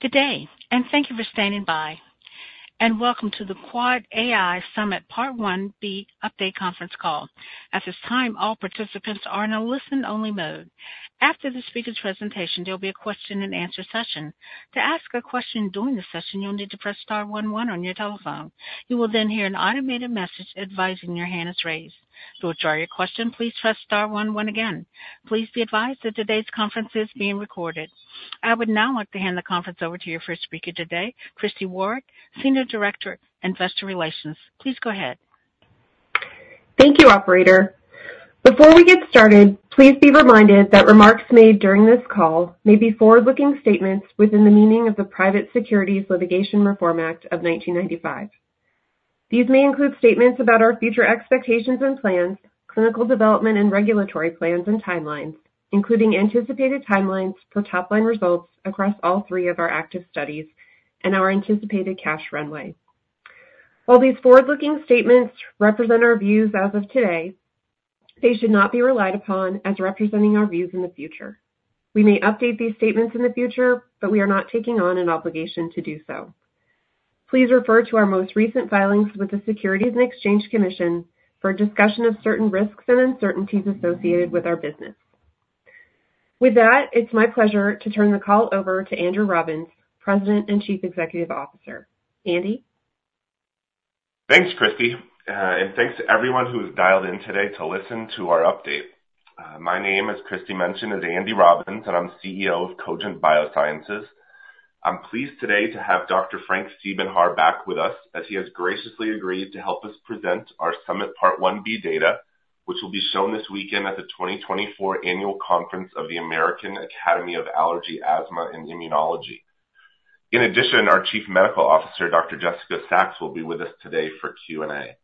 Good day, and thank you for standing by. Welcome to the Quad AI SUMMIT Part 1B Update Conference Call. At this time, all participants are in a listen-only mode. After the speaker's presentation, there'll be a question-and-answer session. To ask a question during the session, you'll need to press star one one on your telephone. You will then hear an automated message advising your hand is raised. To address your question, please press star one one again. Please be advised that today's conference is being recorded. I would now like to hand the conference over to your first speaker today, Christi Waarich, Senior Director, Investor Relations. Please go ahead. Thank you, Operator. Before we get started, please be reminded that remarks made during this call may be forward-looking statements within the meaning of the Private Securities Litigation Reform Act of 1995. These may include statements about our future expectations and plans, clinical development and regulatory plans and timelines, including anticipated timelines for top-line results across all three of our active studies and our anticipated cash runway. While these forward-looking statements represent our views as of today, they should not be relied upon as representing our views in the future. We may update these statements in the future, but we are not taking on an obligation to do so. Please refer to our most recent filings with the Securities and Exchange Commission for a discussion of certain risks and uncertainties associated with our business. With that, it's my pleasure to turn the call over to Andrew Robbins, President and Chief Executive Officer. Andy? Thanks, Christie. Thanks to everyone who has dialed in today to listen to our update. My name, as Christie mentioned, is Andy Robbins, and I'm CEO of Cogent Biosciences. I'm pleased today to have Dr. Frank Siebenhaar back with us, as he has graciously agreed to help us present our SUMMIT Part 1b data, which will be shown this weekend at the 2024 annual conference of the American Academy of Allergy, Asthma, and Immunology. In addition, our Chief Medical Officer, Dr. Jessica Sachs, will be with us today for Q&A.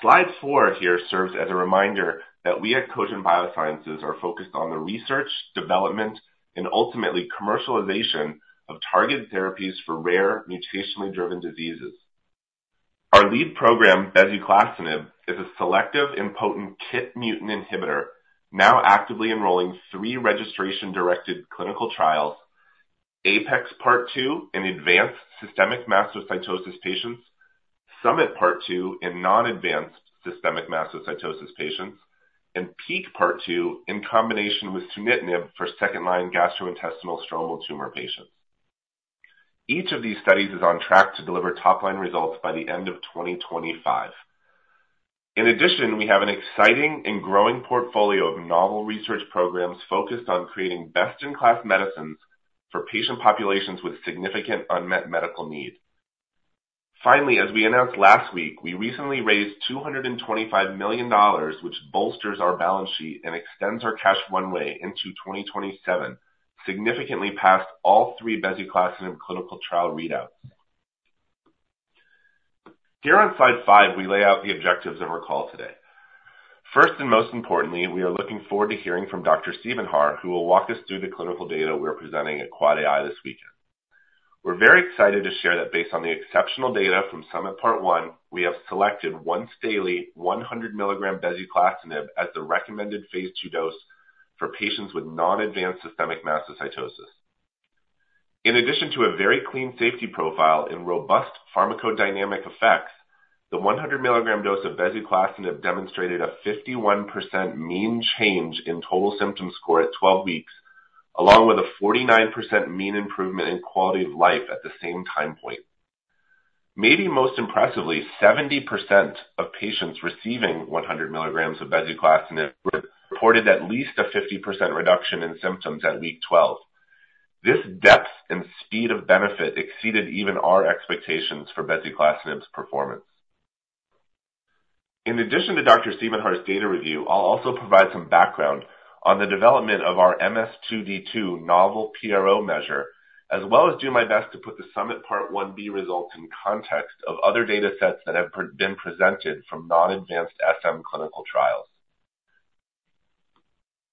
Slide 4 here serves as a reminder that we at Cogent Biosciences are focused on the research, development, and ultimately commercialization of targeted therapies for rare, mutationally driven diseases. Our lead program, bezuclastinib, is a selective and potent KIT mutant inhibitor, now actively enrolling three registration-directed clinical trials: APEX Part 2 in advanced systemic mastocytosis patients, SUMMIT Part 2 in non-advanced systemic mastocytosis patients, and PEAK Part 2 in combination with sunitinib for second-line gastrointestinal stromal tumor patients. Each of these studies is on track to deliver top-line results by the end of 2025. In addition, we have an exciting and growing portfolio of novel research programs focused on creating best-in-class medicines for patient populations with significant unmet medical need. Finally, as we announced last week, we recently raised $225 million, which bolsters our balance sheet and extends our cash runway into 2027, significantly past all three bezuclastinib clinical trial readouts. Here on Slide five, we lay out the objectives of our call today. First and most importantly, we are looking forward to hearing from Dr. Frank Siebenhaar, who will walk us through the clinical data we're presenting at Quad AI this weekend. We're very excited to share that based on the exceptional data from SUMMIT Part 1, we have selected once daily 100 mg bezuclastinib as the recommended phase II dose for patients with non-advanced systemic mastocytosis. In addition to a very clean safety profile and robust pharmacodynamic effects, the 100 mg dose of bezuclastinib demonstrated a 51% mean change in total symptom score at 12 weeks, along with a 49% mean improvement in quality of life at the same time point. Maybe most impressively, 70% of patients receiving 100 mg of bezuclastinib reported at least a 50% reduction in symptoms at week 12. This depth and speed of benefit exceeded even our expectations for bezuclastinib's performance. In addition to Dr. Frank Siebenhaar's data review, I'll also provide some background on the development of our MS2D2 novel PRO measure, as well as do my best to put the SUMMIT Part 1b results in context of other datasets that have been presented from non-advanced SM clinical trials.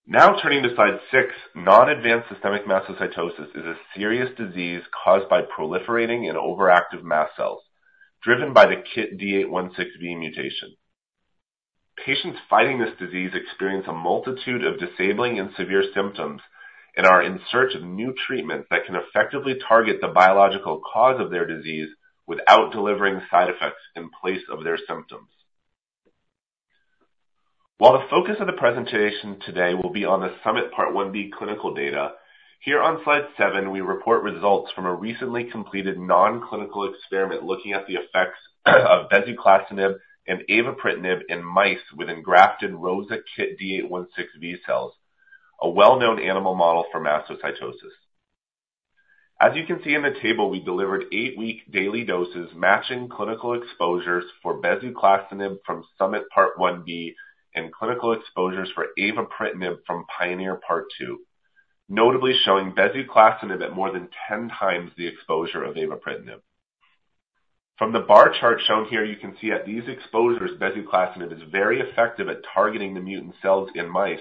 Now turning to Slide six, non-advanced systemic mastocytosis is a serious disease caused by proliferating and overactive mast cells, driven by the KIT D816V mutation. Patients fighting this disease experience a multitude of disabling and severe symptoms and are in search of new treatments that can effectively target the biological cause of their disease without delivering side effects in place of their symptoms. While the focus of the presentation today will be on the SUMMIT Part 1b clinical data, here on Slide seven, we report results from a recently completed non-clinical experiment looking at the effects of bezuclastanib and avapritinib in mice within grafted ROSA KIT D816V cells, a well-known animal model for mastocytosis. As you can see in the table, we delivered 8-week daily doses matching clinical exposures for bezuclastanib from SUMMIT Part 1b and clinical exposures for avapritinib from Pioneer Part 2, notably showing bezuclastanib at more than 10 times the exposure of avapritinib. From the bar chart shown here, you can see at these exposures, bezuclastanib is very effective at targeting the mutant cells in mice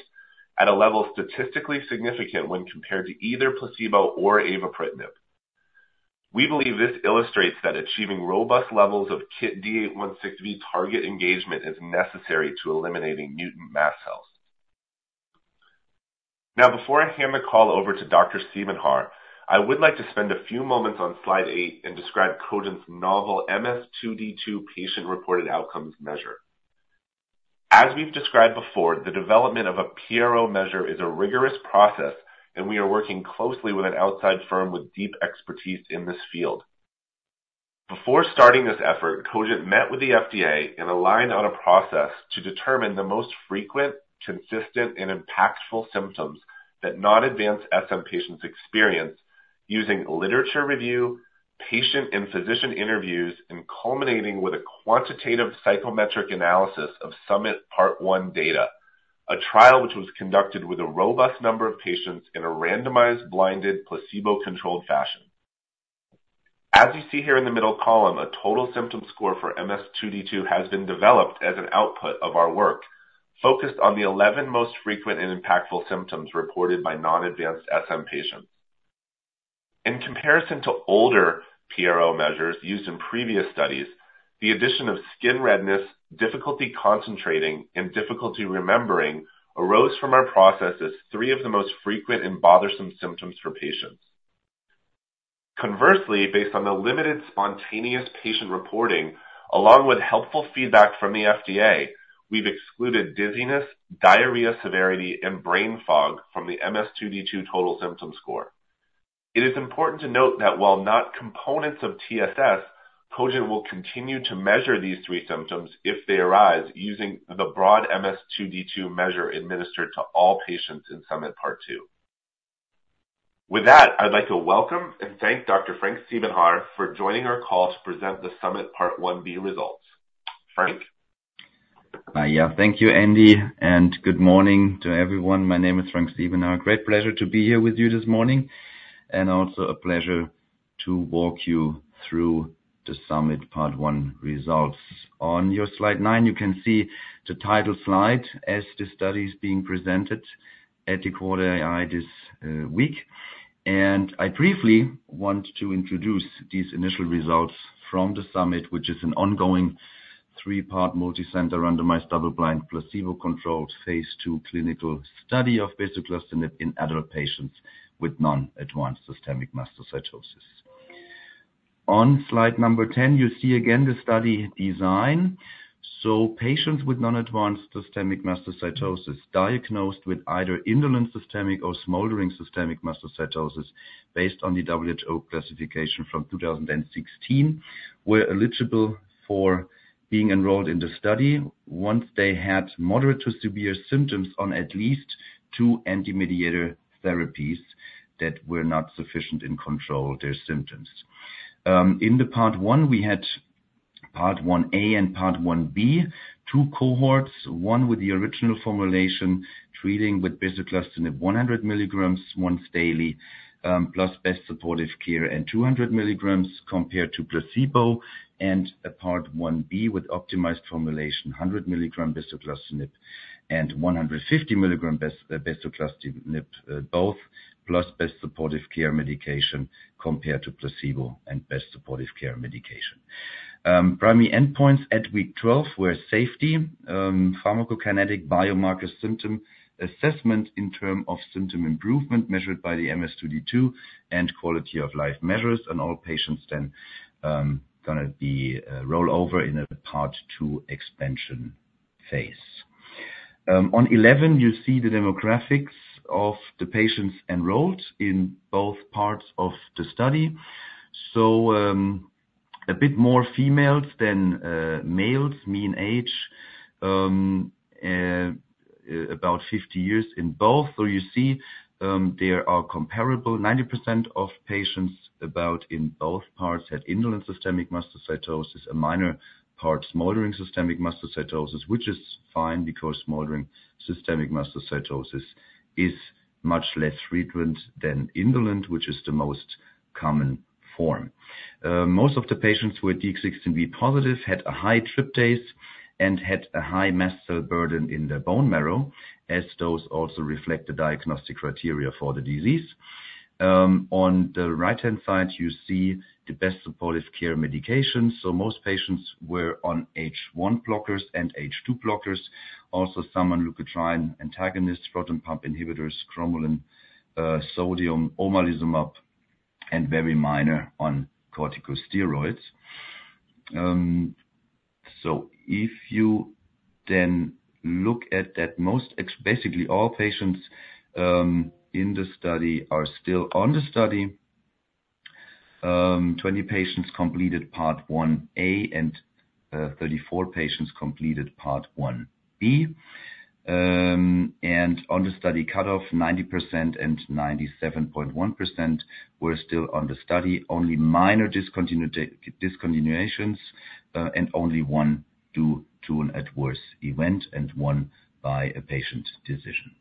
at a level statistically significant when compared to either placebo or avapritinib. We believe this illustrates that achieving robust levels of KIT D816V target engagement is necessary to eliminating mutant mast cells. Now, before I hand the call over to Dr. Frank Siebenhaar, I would like to spend a few moments on Slide eight and describe Cogent's novel MS2D2 patient-reported outcomes measure. As we've described before, the development of a PRO measure is a rigorous process, and we are working closely with an outside firm with deep expertise in this field. Before starting this effort, Cogent met with the FDA and aligned on a process to determine the most frequent, consistent, and impactful symptoms that non-advanced SM patients experience, using literature review, patient and physician interviews, and culminating with a quantitative psychometric analysis of SUMMIT Part 1 data, a trial which was conducted with a robust number of patients in a randomized, blinded, placebo-controlled fashion. As you see here in the middle column, a total symptom score for MS2D2 has been developed as an output of our work focused on the 11 most frequent and impactful symptoms reported by non-advanced SM patients. In comparison to older PRO measures used in previous studies, the addition of skin redness, difficulty concentrating, and difficulty remembering arose from our process as three of the most frequent and bothersome symptoms for patients. Conversely, based on the limited spontaneous patient reporting, along with helpful feedback from the FDA, we've excluded dizziness, diarrhea severity, and brain fog from the MS2D2 total symptom score. It is important to note that while not components of TSS, Cogent will continue to measure these three symptoms if they arise using the broad MS2D2 measure administered to all patients in SUMMIT Part 2. With that, I'd like to welcome and thank Dr. Frank Siebenhaar for joining our call to present the SUMMIT Part 1b results. Frank? Yeah, thank you, Andy. Good morning to everyone. My name is Frank Siebenhaar. Great pleasure to be here with you this morning, and also a pleasure to walk you through the SUMMIT Part 1 results. On your slide nine, you can see the title slide as the study is being presented at the Quad AI this week. I briefly want to introduce these initial results from the SUMMIT, which is an ongoing three-part multi-center randomized double-blind placebo-controlled phase II clinical study of bezuclastinib in adult patients with non-advanced systemic mastocytosis. On slide number 10, you see again the study design. Patients with non-advanced systemic mastocytosis diagnosed with either indolent systemic or smoldering systemic mastocytosis based on the WHO classification from 2016 were eligible for being enrolled in the study once they had moderate to severe symptoms on at least two anti-mediator therapies that were not sufficient in controlling their symptoms. In the Part 1, we had Part 1a and Part 1b, two cohorts, one with the original formulation treating with bezuclastinib 100 mg once daily plus best supportive care and 200 mg compared to placebo, and a Part 1b with optimized formulation 100 mg bezuclastinib and 150 mg bezuclastinib both plus best supportive care medication compared to placebo and best supportive care medication. Primary endpoints at week 12 were safety, pharmacokinetic biomarker symptom assessment in terms of symptom improvement measured by the MS2D2, and quality of life measures, and all patients then going to be rolled over in a Part 2 expansion phase. On 11, you see the demographics of the patients enrolled in both parts of the study. So a bit more females than males, mean age about 50 years in both. So you see there are comparable 90% of patients about in both parts had indolent systemic mastocytosis, a minor part smoldering systemic mastocytosis, which is fine because smoldering systemic mastocytosis is much less frequent than indolent, which is the most common form. Most of the patients who were D816V positive had a high tryptase and had a high mast cell burden in their bone marrow, as those also reflect the diagnostic criteria for the disease. On the right-hand side, you see the best supportive care medications. Most patients were on H1 blockers and H2 blockers, also some on leukotriene antagonists, proton pump inhibitors, cromolyn sodium, omalizumab, and very minor on corticosteroids. If you then look at that, basically all patients in the study are still on the study. 20 patients completed Part 1a and 34 patients completed Part 1b. On the study cutoff, 90% and 97.1% were still on the study, only minor discontinuations and only one due to an adverse event and one by a patient decision.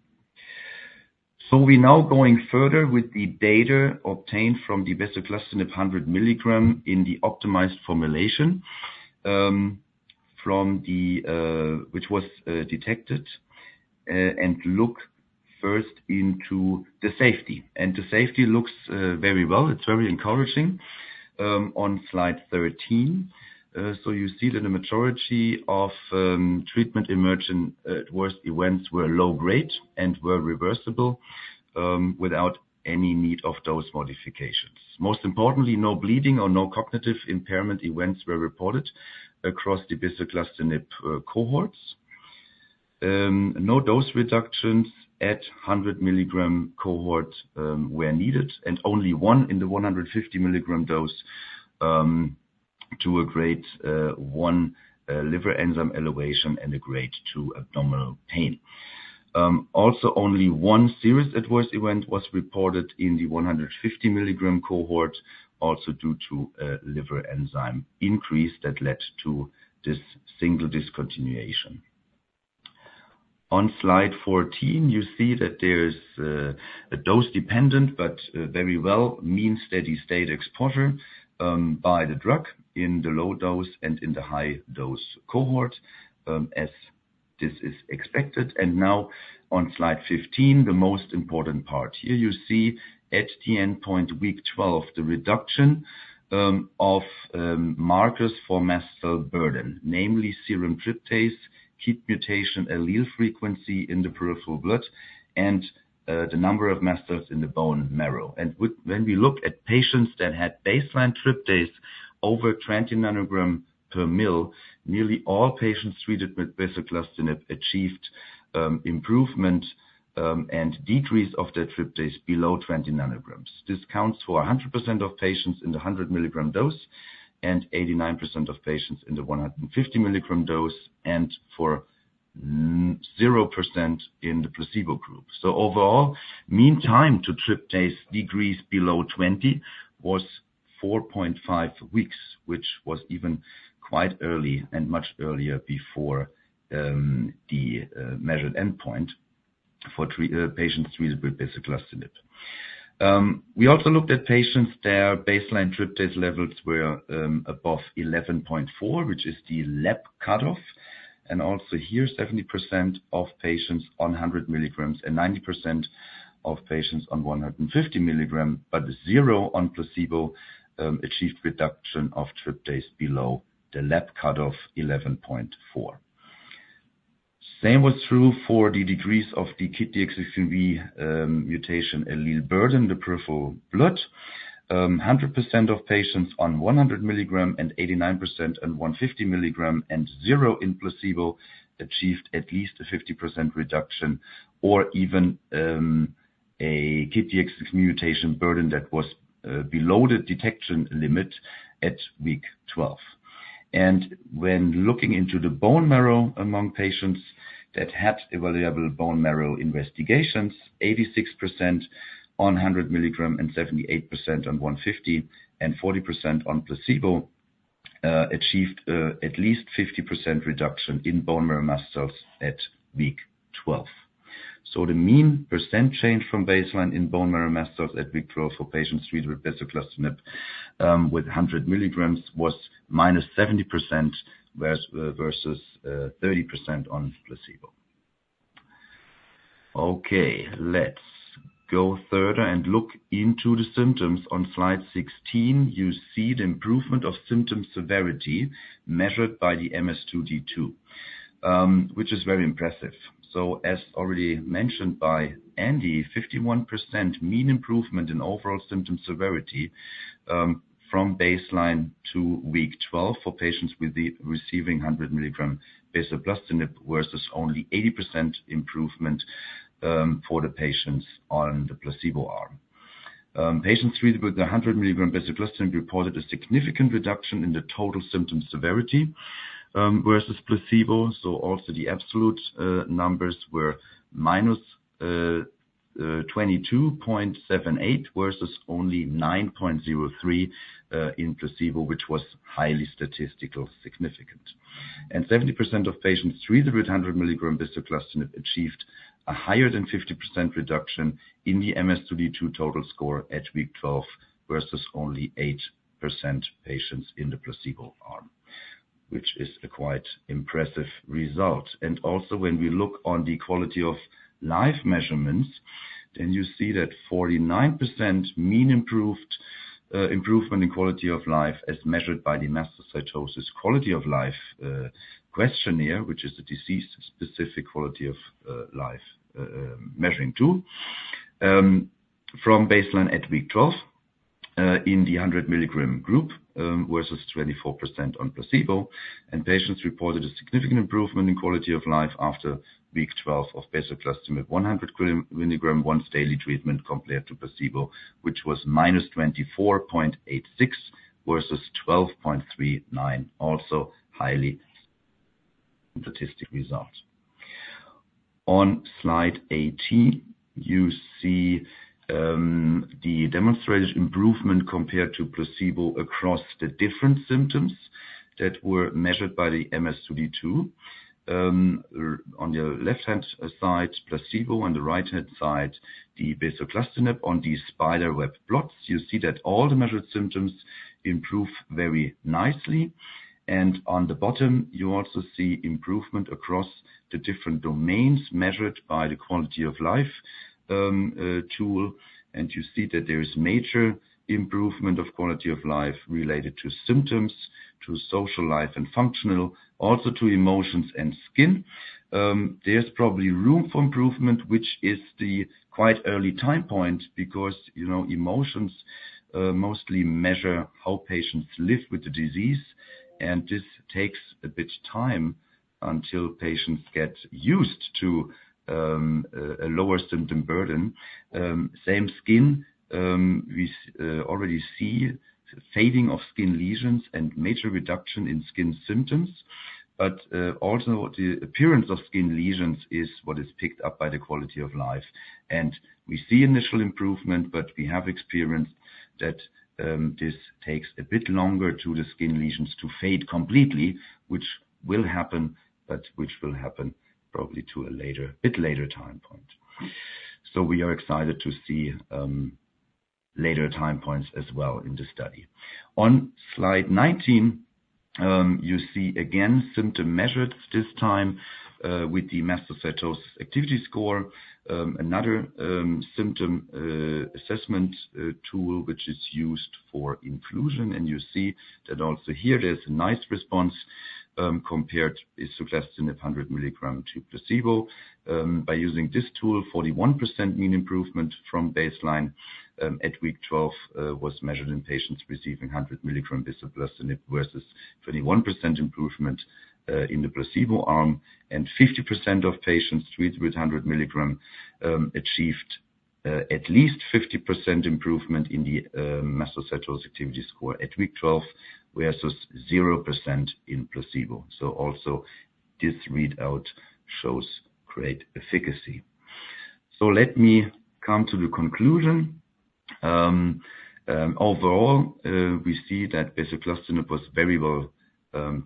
We're now going further with the data obtained from the bezuclastinib 100 mg in the optimized formulation, which was detected, and look first into the safety. The safety looks very well. It's very encouraging on Slide 13. You see that the majority of treatment emergent adverse events were low-grade and were reversible without any need of dose modifications. Most importantly, no bleeding or no cognitive impairment events were reported across the bezuclastinib cohorts. No dose reductions at 100 mg cohort were needed, and only one in the 150 mg dose to a Grade 1 liver enzyme elevation and a Grade 2 abdominal pain. Also, only one serious adverse event was reported in the 150 mg cohort, also due to a liver enzyme increase that led to this single discontinuation. On Slide 14, you see that there's a dose-dependent but very well-maintained mean steady state exposure by the drug in the low dose and in the high dose cohort, as this is expected. Now on Slide 15, the most important part. Here you see at the endpoint, week 12, the reduction of markers for mast cell burden, namely serum tryptase, KIT mutation allele frequency in the peripheral blood, and the number of mast cells in the bone marrow. When we look at patients that had baseline tryptase over 20 ng/mL, nearly all patients treated with bezuclastinib achieved improvement and decrease of their tryptase below 20 ng. This counts for 100% of patients in the 100 mg dose and 89% of patients in the 150 mg dose and for 0% in the placebo group. Overall, mean time to tryptase decreased below 20 was 4.5 weeks, which was even quite early and much earlier before the measured endpoint for patients treated with bezuclastinib. We also looked at patients where baseline tryptase levels were above 11.4, which is the lab cutoff. And also here, 70% of patients on 100 mg and 90% of patients on 150 mg, but zero on placebo, achieved reduction of tryptase below the lab cutoff 11.4. Same was true for the decrease of the KIT D816V mutation allele burden in the peripheral blood. 100% of patients on 100 mg and 89% on 150 mg and zero in placebo achieved at least a 50% reduction or even a KIT D816V mutation burden that was below the detection limit at week 12. And when looking into the bone marrow among patients that had evaluable bone marrow investigations, 86% on 100 mg and 78% on 150 and 40% on placebo achieved at least 50% reduction in bone marrow mast cells at week 12. So the mean % change from baseline in bone marrow mast cells at week 12 for patients treated with bezuclastinib with 100 mg was -70% versus 30% on placebo. Okay, let's go further and look into the symptoms. On Slide 16, you see the improvement of symptom severity measured by the MS2D2, which is very impressive. So as already mentioned by Andy, 51% mean improvement in overall symptom severity from baseline to week 12 for patients receiving 100 mg bezuclastinib versus only 80% improvement for the patients on the placebo arm. Patients treated with the 100 mg bezuclastinib reported a significant reduction in the total symptom severity versus placebo. So also the absolute numbers were -22.78 versus only 9.03 in placebo, which was highly statistically significant. 70% of patients treated with 100 mg bezuclastanib achieved a higher than 50% reduction in the MS2D2 total score at week 12 versus only 8% patients in the placebo arm, which is a quite impressive result. Also when we look on the quality of life measurements, then you see that 49% mean improvement in quality of life as measured by the Mastocytosis Quality of Life Questionnaire, which is a disease-specific quality of life measuring tool, from baseline at week 12 in the 100 mg group versus 24% on placebo. Patients reported a significant improvement in quality of life after week 12 of bezuclastanib 100 mg once daily treatment compared to placebo, which was -24.86 versus 12.39, also highly statistically resolved. On Slide 18, you see the demonstrated improvement compared to placebo across the different symptoms that were measured by the MS2D2. On the left-hand side, placebo, on the right-hand side, the bezuclastinib on the spiderweb plots, you see that all the measured symptoms improve very nicely. And on the bottom, you also see improvement across the different domains measured by the quality of life tool. And you see that there is major improvement of quality of life related to symptoms, to social life and functional, also to emotions and skin. There's probably room for improvement, which is the quite early time point because emotions mostly measure how patients live with the disease. And this takes a bit of time until patients get used to a lower symptom burden. Same skin. We already see fading of skin lesions and major reduction in skin symptoms. But also the appearance of skin lesions is what is picked up by the quality of life. We see initial improvement, but we have experienced that this takes a bit longer for the skin lesions to fade completely, which will happen, but which will happen probably to a bit later time point. We are excited to see later time points as well in the study. On Slide 19, you see again symptom measured this time with the Mastocytosis Activity Score, another symptom assessment tool, which is used for inclusion. You see that also here there's a nice response compared to bezuclastinib 100 mg to placebo. By using this tool, 41% mean improvement from baseline at week 12 was measured in patients receiving 100 mg bezuclastinib versus 21% improvement in the placebo arm. 50% of patients treated with 100 mg achieved at least 50% improvement in the Mastocytosis Activity Score at week 12 versus 0% in placebo. Also this readout shows great efficacy. So let me come to the conclusion. Overall, we see that bezuclastinib was very well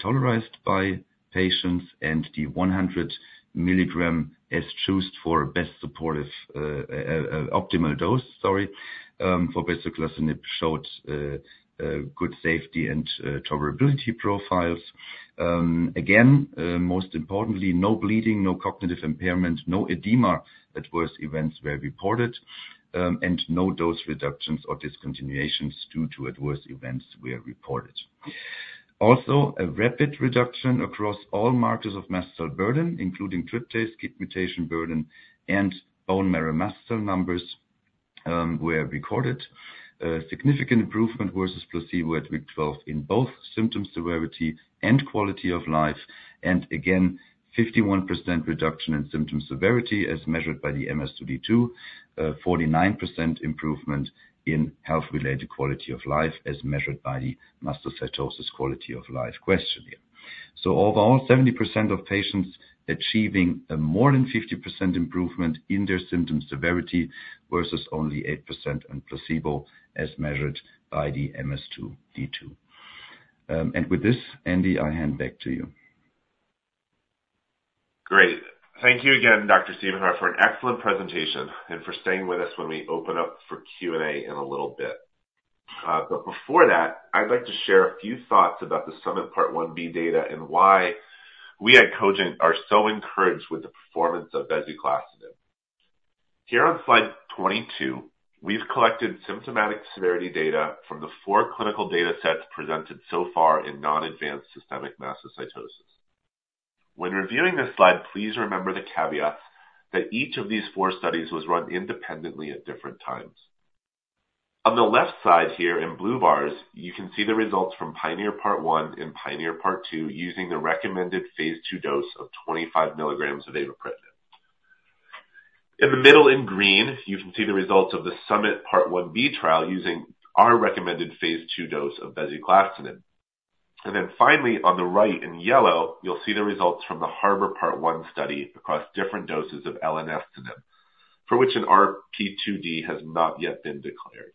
tolerated by patients, and the 100 mg as chosen for best supportive optimal dose, sorry, for bezuclastinib showed good safety and tolerability profiles. Again, most importantly, no bleeding, no cognitive impairment, no edema adverse events were reported, and no dose reductions or discontinuations due to adverse events were reported. Also, a rapid reduction across all markers of mast cell burden, including tryptase, KIT mutation burden, and bone marrow mast cell numbers were recorded. Significant improvement versus placebo at week 12 in both symptom severity and quality of life. And again, 51% reduction in symptom severity as measured by the MS2D2, 49% improvement in health-related quality of life as measured by the Mastocytosis Quality of Life Questionnaire. Overall, 70% of patients achieving more than 50% improvement in their symptom severity versus only 8% on placebo as measured by the MS2D2. With this, Andy, I hand back to you. Great. Thank you again, Dr. Siebenhaar, for an excellent presentation and for staying with us when we open up for Q&A in a little bit. But before that, I'd like to share a few thoughts about the SUMMIT Part 1b data and why we at Cogent are so encouraged with the performance of bezuclastinib. Here on Slide 22, we've collected symptomatic severity data from the four clinical datasets presented so far in non-advanced systemic mastocytosis. When reviewing this slide, please remember the caveat that each of these four studies was run independently at different times. On the left side here in blue bars, you can see the results from PIONEER Part 1 and PIONEER Part 2 using the recommended phase II dose of 25 mg of avapritinib. In the middle in green, you can see the results of the SUMMIT Part 1b trial using our recommended phase II dose of bezuclastinib. And then finally, on the right in yellow, you'll see the results from the HARBOR Part 1 study across different doses of elenestinib, for which an RP2D has not yet been declared.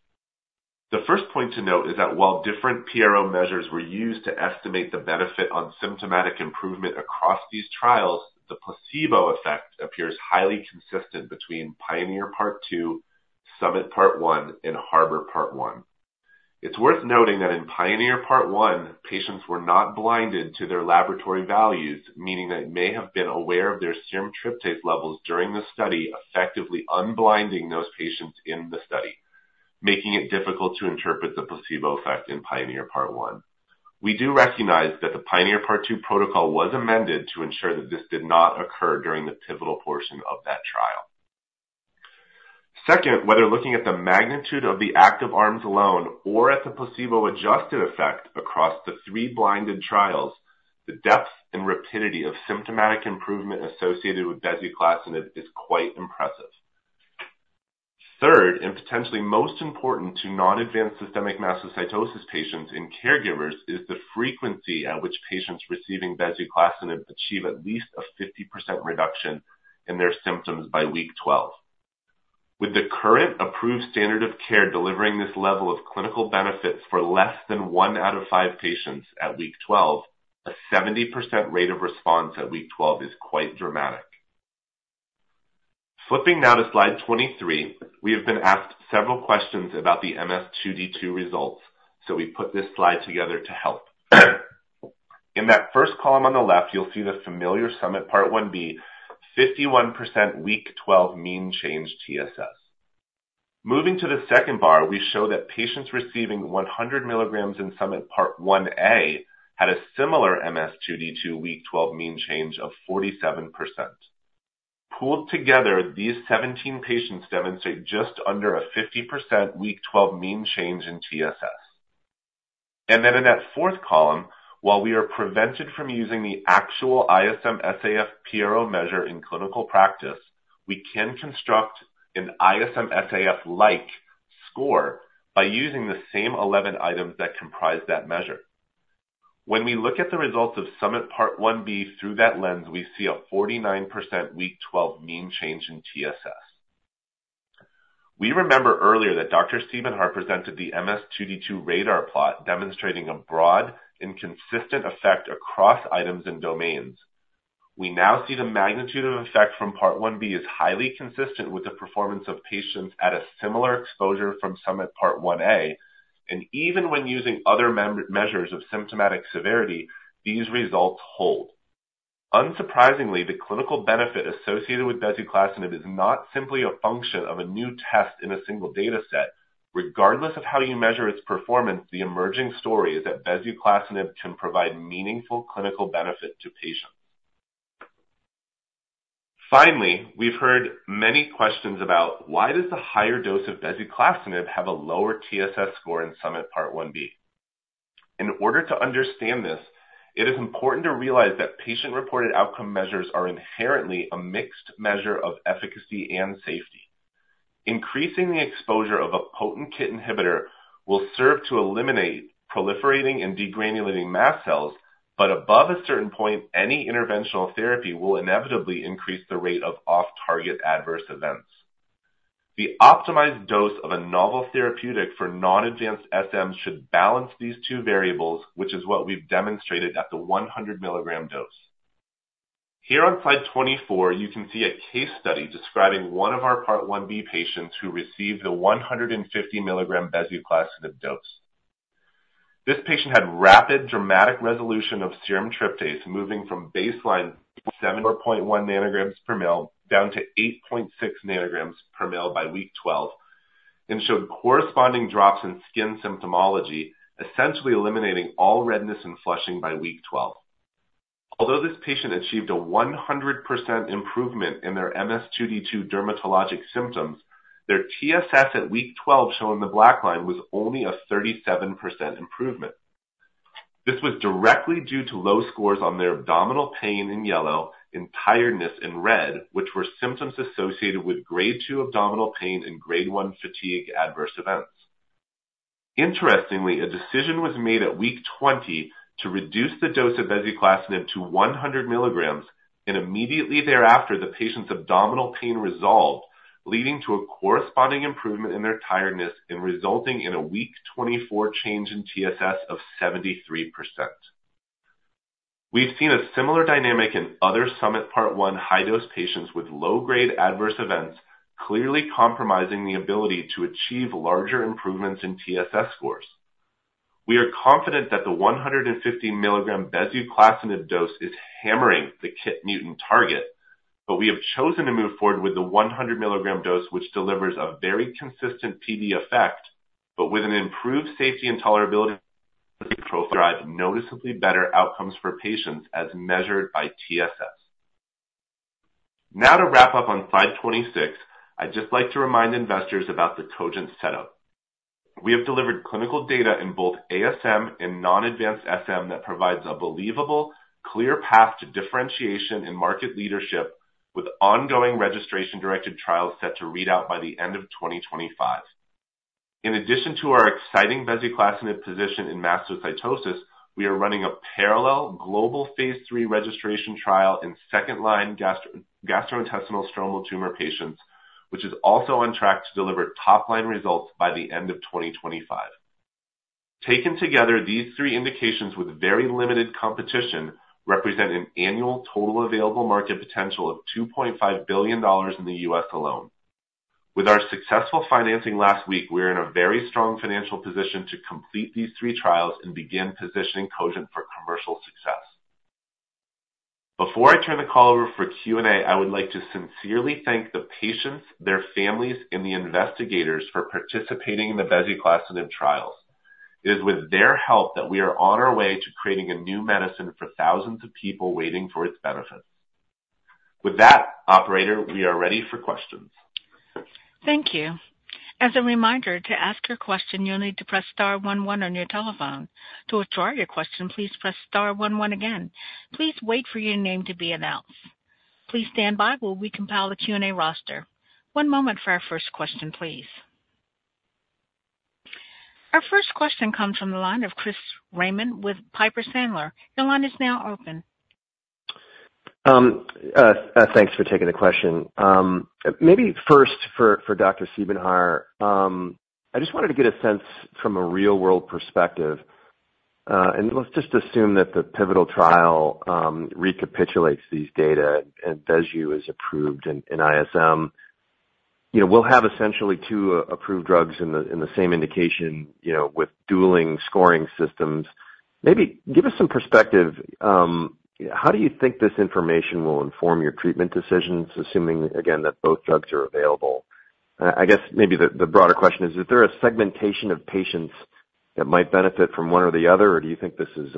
The first point to note is that while different PRO measures were used to estimate the benefit on symptomatic improvement across these trials, the placebo effect appears highly consistent between PIONEER Part 2, SUMMIT Part 1, and HARBOR Part 1. It's worth noting that in PIONEER Part 1, patients were not blinded to their laboratory values, meaning that they may have been aware of their serum tryptase levels during the study, effectively unblinding those patients in the study, making it difficult to interpret the placebo effect in PIONEER Part 1. We do recognize that the PIONEER Part 2 protocol was amended to ensure that this did not occur during the pivotal portion of that trial. Second, whether looking at the magnitude of the active arms alone or at the placebo-adjusted effect across the three blinded trials, the depth and rapidity of symptomatic improvement associated with bezuclastinib is quite impressive. Third, and potentially most important to non-advanced systemic mastocytosis patients and caregivers, is the frequency at which patients receiving bezuclastinib achieve at least a 50% reduction in their symptoms by week 12. With the current approved standard of care delivering this level of clinical benefits for less than one out of five patients at week 12, a 70% rate of response at week 12 is quite dramatic. Flipping now to Slide 23, we have been asked several questions about the MS2D2 results, so we put this slide together to help. In that first column on the left, you'll see the familiar SUMMIT Part 1b, 51% week 12 mean change TSS. Moving to the second bar, we show that patients receiving 100 mg in SUMMIT Part 1a had a similar MS2D2 week 12 mean change of 47%. Pooled together, these 17 patients demonstrate just under a 50% week 12 mean change in TSS. Then in that fourth column, while we are prevented from using the actual ISM SAF PRO measure in clinical practice, we can construct an ISM SAF-like score by using the same 11 items that comprise that measure. When we look at the results of SUMMIT Part 1b through that lens, we see a 49% week 12 mean change in TSS. We remember earlier that Dr. Siebenhaar presented the MS2D2 radar plot demonstrating a broad and consistent effect across items and domains. We now see the magnitude of effect from Part 1b is highly consistent with the performance of patients at a similar exposure from SUMMIT Part 1b. Even when using other measures of symptomatic severity, these results hold. Unsurprisingly, the clinical benefit associated with bezuclastinib is not simply a function of a new test in a single dataset. Regardless of how you measure its performance, the emerging story is that bezuclastinib can provide meaningful clinical benefit to patients. Finally, we've heard many questions about why does the higher dose of bezuclastinib have a lower TSS score in SUMMIT Part 1b? In order to understand this, it is important to realize that patient-reported outcome measures are inherently a mixed measure of efficacy and safety. Increasing the exposure of a potent kit inhibitor will serve to eliminate proliferating and degranulating mast cells, but above a certain point, any interventional therapy will inevitably increase the rate of off-target adverse events. The optimized dose of a novel therapeutic for non-advanced SM should balance these two variables, which is what we've demonstrated at the 100 mg dose. Here on Slide 24, you can see a case study describing one of our Part 1b patients who received the 150 mg bezuclastinib dose. This patient had rapid, dramatic resolution of serum tryptase moving from baseline 7.1 ng per mL down to 8.6 ng per mL by week 12 and showed corresponding drops in skin symptomology, essentially eliminating all redness and flushing by week 12. Although this patient achieved a 100% improvement in their MS2D2 dermatologic symptoms, their TSS at week 12 shown in the black line was only a 37% improvement. This was directly due to low scores on their abdominal pain in yellow and tiredness in red, which were symptoms associated with grade 2 abdominal pain and grade 1 fatigue adverse events. Interestingly, a decision was made at week 20 to reduce the dose of bezuclastinib to 100 mg, and immediately thereafter, the patient's abdominal pain resolved, leading to a corresponding improvement in their tiredness and resulting in a week 24 change in TSS of 73%. We've seen a similar dynamic in other SUMMIT Part 1 high-dose patients with low-grade adverse events clearly compromising the ability to achieve larger improvements in TSS scores. We are confident that the 150 mg bezuclastinib dose is hammering the KIT mutant target, but we have chosen to move forward with the 100 mg dose, which delivers a very consistent PD effect, but with an improved safety and tolerability profile that drives noticeably better outcomes for patients as measured by TSS. Now to wrap up on Slide 26, I'd just like to remind investors about the Cogent setup. We have delivered clinical data in both ASM and non-advanced SM that provides a believable, clear path to differentiation in market leadership with ongoing registration-directed trials set to read out by the end of 2025. In addition to our exciting bezuclastinib position in mastocytosis, we are running a parallel global phase III registration trial in second-line gastrointestinal stromal tumor patients, which is also on track to deliver top-line results by the end of 2025. Taken together, these three indications with very limited competition represent an annual total available market potential of $2.5 billion in the U.S. alone. With our successful financing last week, we're in a very strong financial position to complete these three trials and begin positioning Cogent for commercial success. Before I turn the call over for Q&A, I would like to sincerely thank the patients, their families, and the investigators for participating in the bezuclastinib trials. It is with their help that we are on our way to creating a new medicine for thousands of people waiting for its benefits. With that, operator, we are ready for questions. Thank you. As a reminder, to ask your question, you'll need to press star 11 on your telephone. To withdraw your question, please press star 11 again. Please wait for your name to be announced. Please stand by while we compile the Q&A roster. One moment for our first question, please. Our first question comes from the line of Chris Raymond with Piper Sandler. Your line is now open. Thanks for taking the question. Maybe first for Dr. Siebenhaar, I just wanted to get a sense from a real-world perspective. And let's just assume that the pivotal trial recapitulates these data and bezuclastinib is approved in ISM. We'll have essentially two approved drugs in the same indication with dueling scoring systems. Maybe give us some perspective. How do you think this information will inform your treatment decisions, assuming, again, that both drugs are available? I guess maybe the broader question is, is there a segmentation of patients that might benefit from one or the other, or do you think this is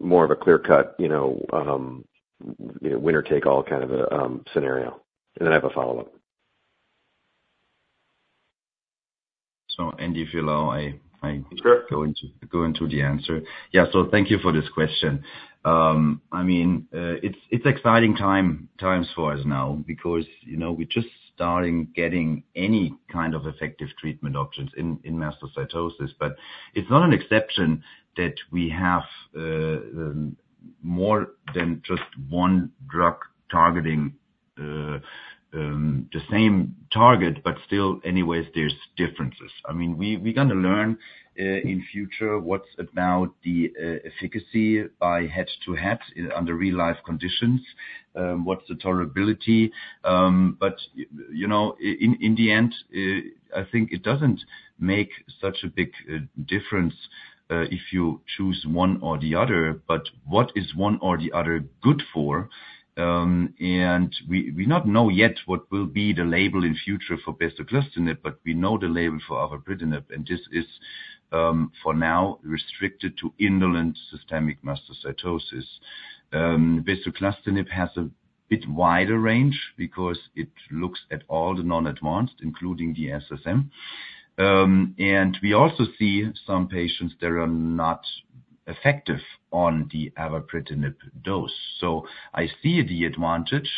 more of a clear-cut winner-take-all kind of a scenario? And then I have a follow-up. So, Andy, if you allow, I go into the answer. Yeah, so thank you for this question. I mean, it's exciting times for us now because we're just starting getting any kind of effective treatment options in mastocytosis. But it's not an exception that we have more than just one drug targeting the same target, but still, anyways, there's differences. I mean, we're going to learn in the future what's about the efficacy by head-to-head under real-life conditions, what's the tolerability. But in the end, I think it doesn't make such a big difference if you choose one or the other. But what is one or the other good for? And we're not knowing yet what will be the label in the future for bezuclastanib, but we know the label for avapritinib, and this is, for now, restricted to Indolent Systemic Mastocytosis. Bezuclastanib has a bit wider range because it looks at all the non-advanced, including the SSM. And we also see some patients that are not effective on the avapritinib dose. So I see the advantage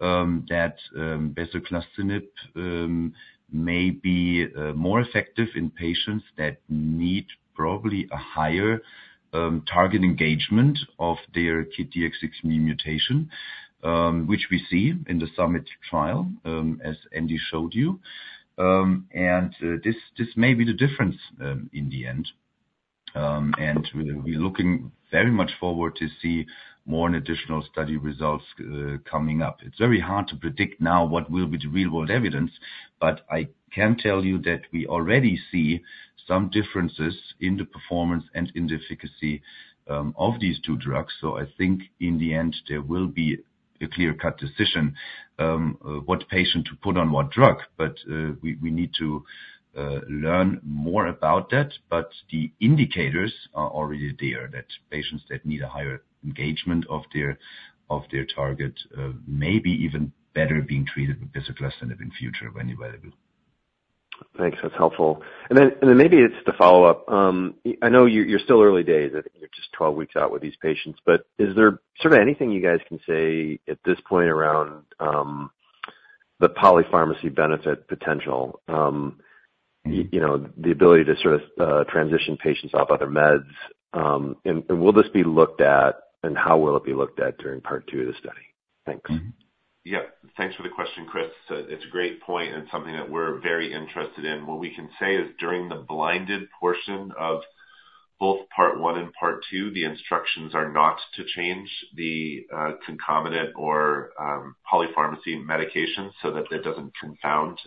that bezuclastanib may be more effective in patients that need probably a higher target engagement of their KIT D816V mutation, which we see in the SUMMIT trial, as Andy showed you. And this may be the difference in the end. And we're looking very much forward to seeing more additional study results coming up. It's very hard to predict now what will be the real-world evidence, but I can tell you that we already see some differences in the performance and in the efficacy of these two drugs. So I think in the end, there will be a clear-cut decision what patient to put on what drug. But we need to learn more about that. But the indicators are already there that patients that need a higher engagement of their target may be even better being treated with bezuclastinib in the future when available. Thanks. That's helpful. And then maybe it's the follow-up. I know you're still early days. I think you're just 12 weeks out with these patients. But is there sort of anything you guys can say at this point around the polypharmacy benefit potential, the ability to sort of transition patients off other meds? And will this be looked at, and how will it be looked at during Part 2 of the study? Thanks. Yeah. Thanks for the question, Chris. It's a great point and something that we're very interested in. What we can say is during the blinded portion of both Part 1 and Part 2, the instructions are not to change the concomitant or polypharmacy medications so that it doesn't confound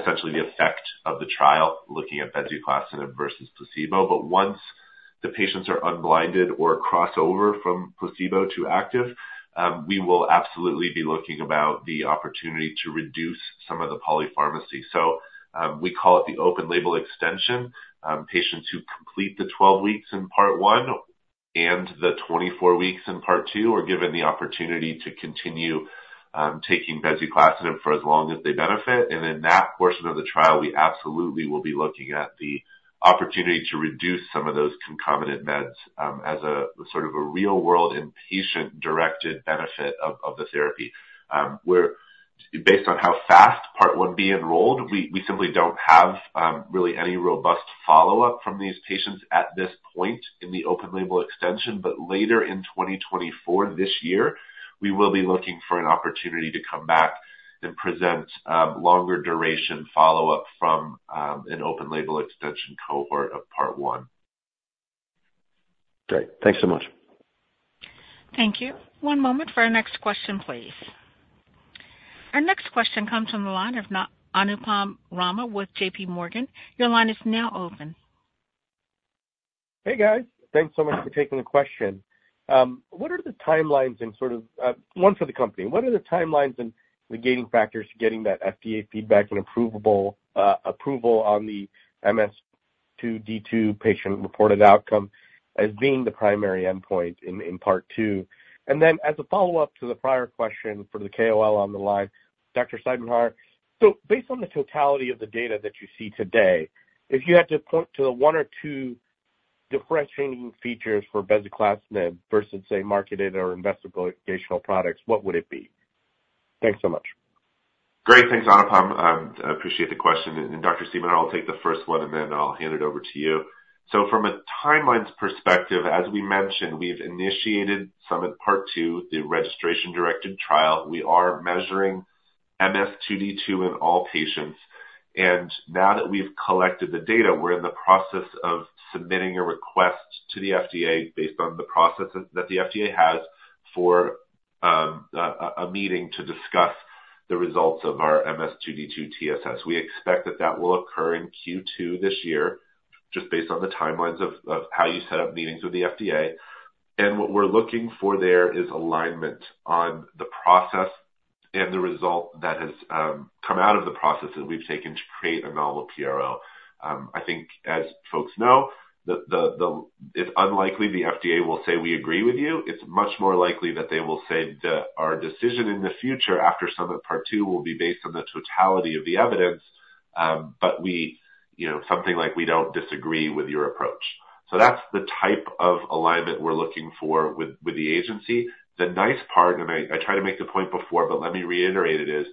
essentially the effect of the trial looking at bezuclastinib versus placebo. But once the patients are unblinded or cross over from placebo to active, we will absolutely be looking about the opportunity to reduce some of the polypharmacy. So we call it the open label extension. Patients who complete the 12 weeks in Part 1 and the 24 weeks in Part 2 are given the opportunity to continue taking bezuclastinib for as long as they benefit. In that portion of the trial, we absolutely will be looking at the opportunity to reduce some of those concomitant meds as sort of a real-world inpatient-directed benefit of the therapy. Based on how fast Part 1b enrolled, we simply don't have really any robust follow-up from these patients at this point in the open label extension. Later in 2024, this year, we will be looking for an opportunity to come back and present longer-duration follow-up from an open label extension cohort of Part 1. Great. Thanks so much. Thank you. One moment for our next question, please. Our next question comes from the line of Anupam Rama with J.P. Morgan. Your line is now open. Hey, guys. Thanks so much for taking the question. What are the timelines and sort of one for the company. What are the timelines and the gating factors to getting that FDA feedback and approval on the MS2D2 patient-reported outcome as being the primary endpoint in Part 2? And then as a follow-up to the prior question for the KOL on the line, Dr. Siebenhaar, so based on the totality of the data that you see today, if you had to point to the one or two differentiating features for bezuclastinib versus, say, marketed or investigational products, what would it be? Thanks so much. Great. Thanks, Anupam. I appreciate the question. And Dr. Siebenhaar, I'll take the first one, and then I'll hand it over to you. So from a timelines perspective, as we mentioned, we've initiated SUMMIT Part 2, the registration-directed trial. We are measuring MS2D2 in all patients. And now that we've collected the data, we're in the process of submitting a request to the FDA based on the process that the FDA has for a meeting to discuss the results of our MS2D2 TSS. We expect that that will occur in Q2 this year, just based on the timelines of how you set up meetings with the FDA. And what we're looking for there is alignment on the process and the result that has come out of the process that we've taken to create a novel PRO. I think, as folks know, it's unlikely the FDA will say, "We agree with you." It's much more likely that they will say, "Our decision in the future after SUMMIT Part 2 will be based on the totality of the evidence, but something like, 'We don't disagree with your approach.'" So that's the type of alignment we're looking for with the agency. The nice part, and I tried to make the point before, but let me reiterate it, is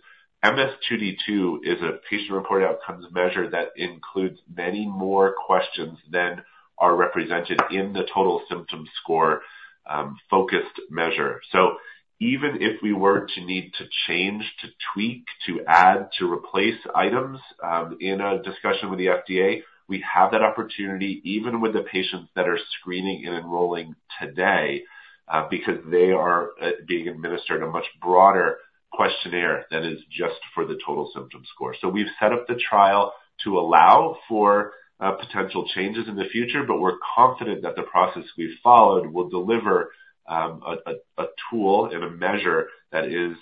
MS2D2 is a patient-reported outcomes measure that includes many more questions than are represented in the Total Symptom Score-focused measure. So even if we were to need to change, to tweak, to add, to replace items in a discussion with the FDA, we have that opportunity even with the patients that are screening and enrolling today because they are being administered a much broader questionnaire than is just for the total symptom score. So we've set up the trial to allow for potential changes in the future, but we're confident that the process we've followed will deliver a tool and a measure that is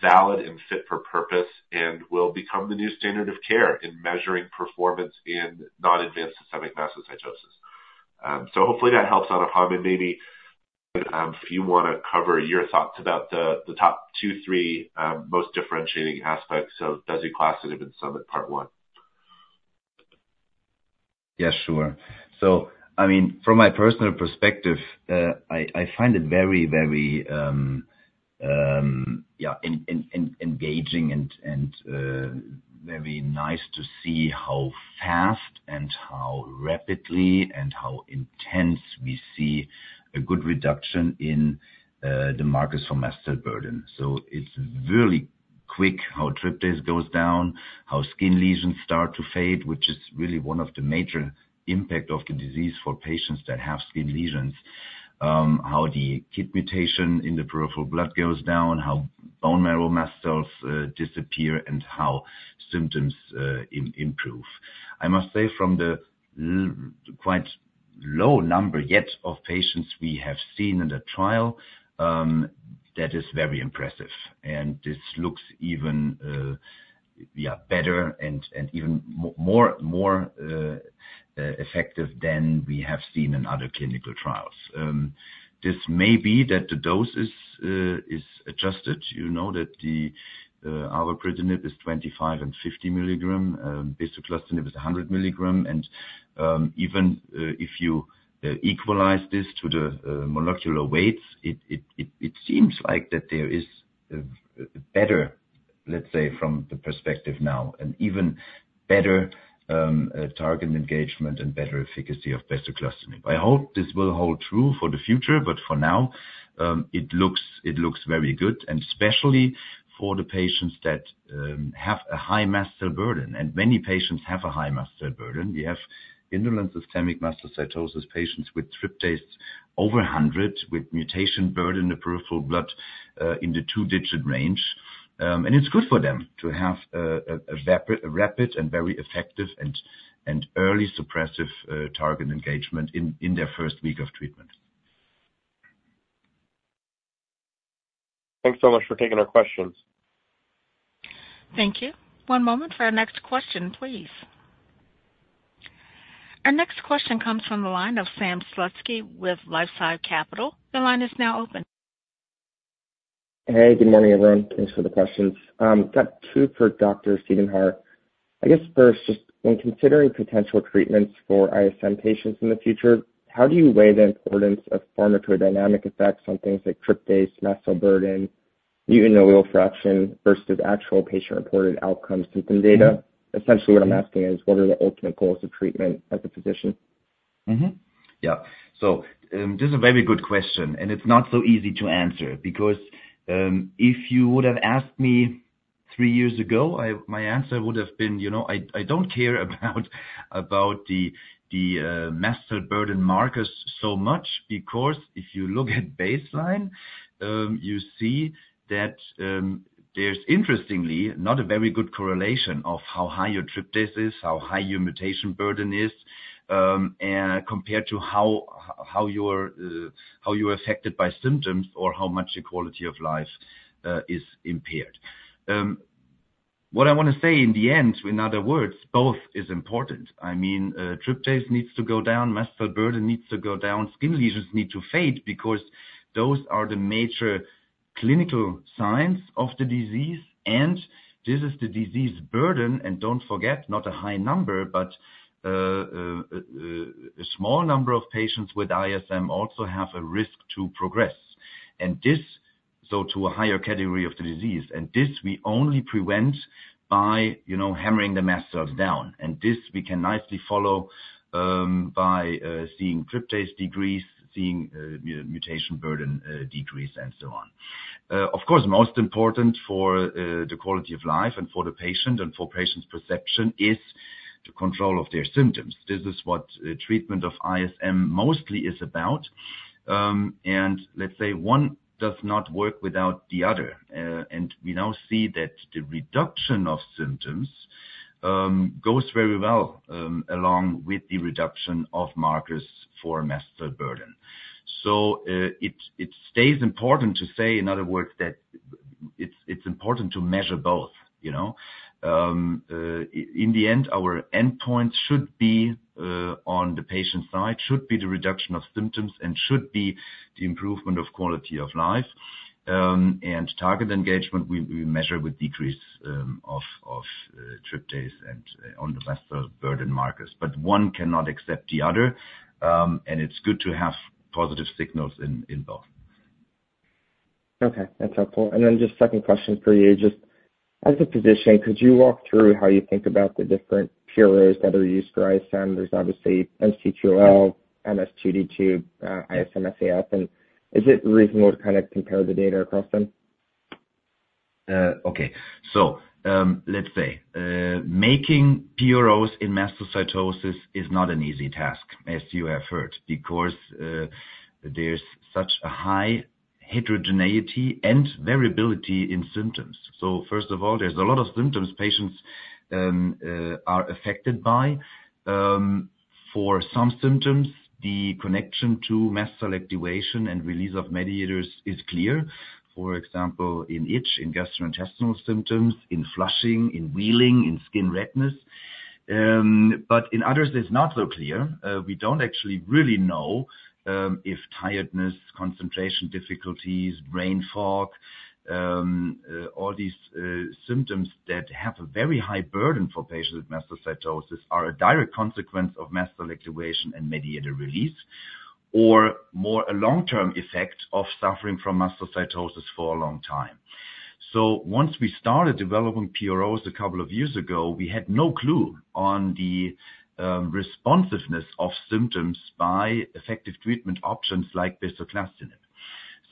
valid and fit for purpose and will become the new standard of care in measuring performance in non-advanced systemic mastocytosis. So hopefully, that helps, Anupam. And maybe if you want to cover your thoughts about the top two, three most differentiating aspects of bezuclastinib in SUMMIT Part 1. Yeah, sure. So I mean, from my personal perspective, I find it very, very, yeah, engaging and very nice to see how fast and how rapidly and how intense we see a good reduction in the markers for mast cell burden. So it's really quick how tryptase goes down, how skin lesions start to fade, which is really one of the major impacts of the disease for patients that have skin lesions, how the KIT mutation in the peripheral blood goes down, how bone marrow mast cells disappear, and how symptoms improve. I must say, from the quite low number yet of patients we have seen in the trial, that is very impressive. This looks even, yeah, better and even more effective than we have seen in other clinical trials. This may be that the dose is adjusted, that the avapritinib is 25 mg and 50 mg, bezuclastinib is 100 mg. And even if you equalize this to the molecular weights, it seems like that there is better, let's say, from the perspective now, an even better target engagement and better efficacy of bezuclastinib. I hope this will hold true for the future, but for now, it looks very good, and especially for the patients that have a high mast cell burden. And many patients have a high mast cell burden. We have indolent systemic mastocytosis patients with tryptase over 100 with mutation burden in the peripheral blood in the two-digit range. And it's good for them to have a rapid and very effective and early suppressive target engagement in their first week of treatment. Thanks so much for taking our questions. Thank you. One moment for our next question, please. Our next question comes from the line of Sam Slutsky with LifeSci Capital. Your line is now open. Hey, good morning, everyone. Thanks for the questions. Got two for Dr. Siebenhaar. I guess first, just when considering potential treatments for ISM patients in the future, how do you weigh the importance of pharmacodynamic effects on things like tryptase, mast cell burden, mutant nuclear fraction versus actual patient-reported outcome symptom data? Essentially, what I'm asking is, what are the ultimate goals of treatment as a physician? Yeah. So this is a very good question, and it's not so easy to answer because if you would have asked me three years ago, my answer would have been, "I don't care about the mast cell burden markers so much because if you look at baseline, you see that there's, interestingly, not a very good correlation of how high your tryptase is, how high your mutation burden is compared to how you're affected by symptoms or how much your quality of life is impaired." What I want to say in the end, in other words, both is important. I mean, tryptase needs to go down, mast cell burden needs to go down, skin lesions need to fade because those are the major clinical signs of the disease. And this is the disease burden. And don't forget, not a high number, but a small number of patients with ISM also have a risk to progress. And this, so to a higher category of the disease. And this we only prevent by hammering the mast cells down. And this we can nicely follow by seeing tryptase decrease, seeing mutation burden decrease, and so on. Of course, most important for the quality of life and for the patient and for patients' perception is the control of their symptoms. This is what treatment of ISM mostly is about. And let's say one does not work without the other. And we now see that the reduction of symptoms goes very well along with the reduction of markers for mast cell burden. So it stays important to say, in other words, that it's important to measure both. In the end, our endpoints should be on the patient's side, should be the reduction of symptoms, and should be the improvement of quality of life. Target engagement, we measure with decrease of tryptase and on the mast cell burden markers. One cannot accept the other. It's good to have positive signals in both. Okay. That's helpful. And then just second question for you. Just as a physician, could you walk through how you think about the different PROs that are used for ISM? There's obviously MC-QoL, MS2D2, ISM-SAF. And is it reasonable to kind of compare the data across them? Okay. So let's say making PROs in mastocytosis is not an easy task, as you have heard, because there's such a high heterogeneity and variability in symptoms. So first of all, there's a lot of symptoms patients are affected by. For some symptoms, the connection to mast cell activation and release of mediators is clear, for example, in itch, in gastrointestinal symptoms, in flushing, in wheeling, in skin redness. But in others, it's not so clear. We don't actually really know if tiredness, concentration difficulties, brain fog, all these symptoms that have a very high burden for patients with mastocytosis are a direct consequence of mast cell activation and mediator release or more a long-term effect of suffering from mastocytosis for a long time. So once we started developing PROs a couple of years ago, we had no clue on the responsiveness of symptoms by effective treatment options like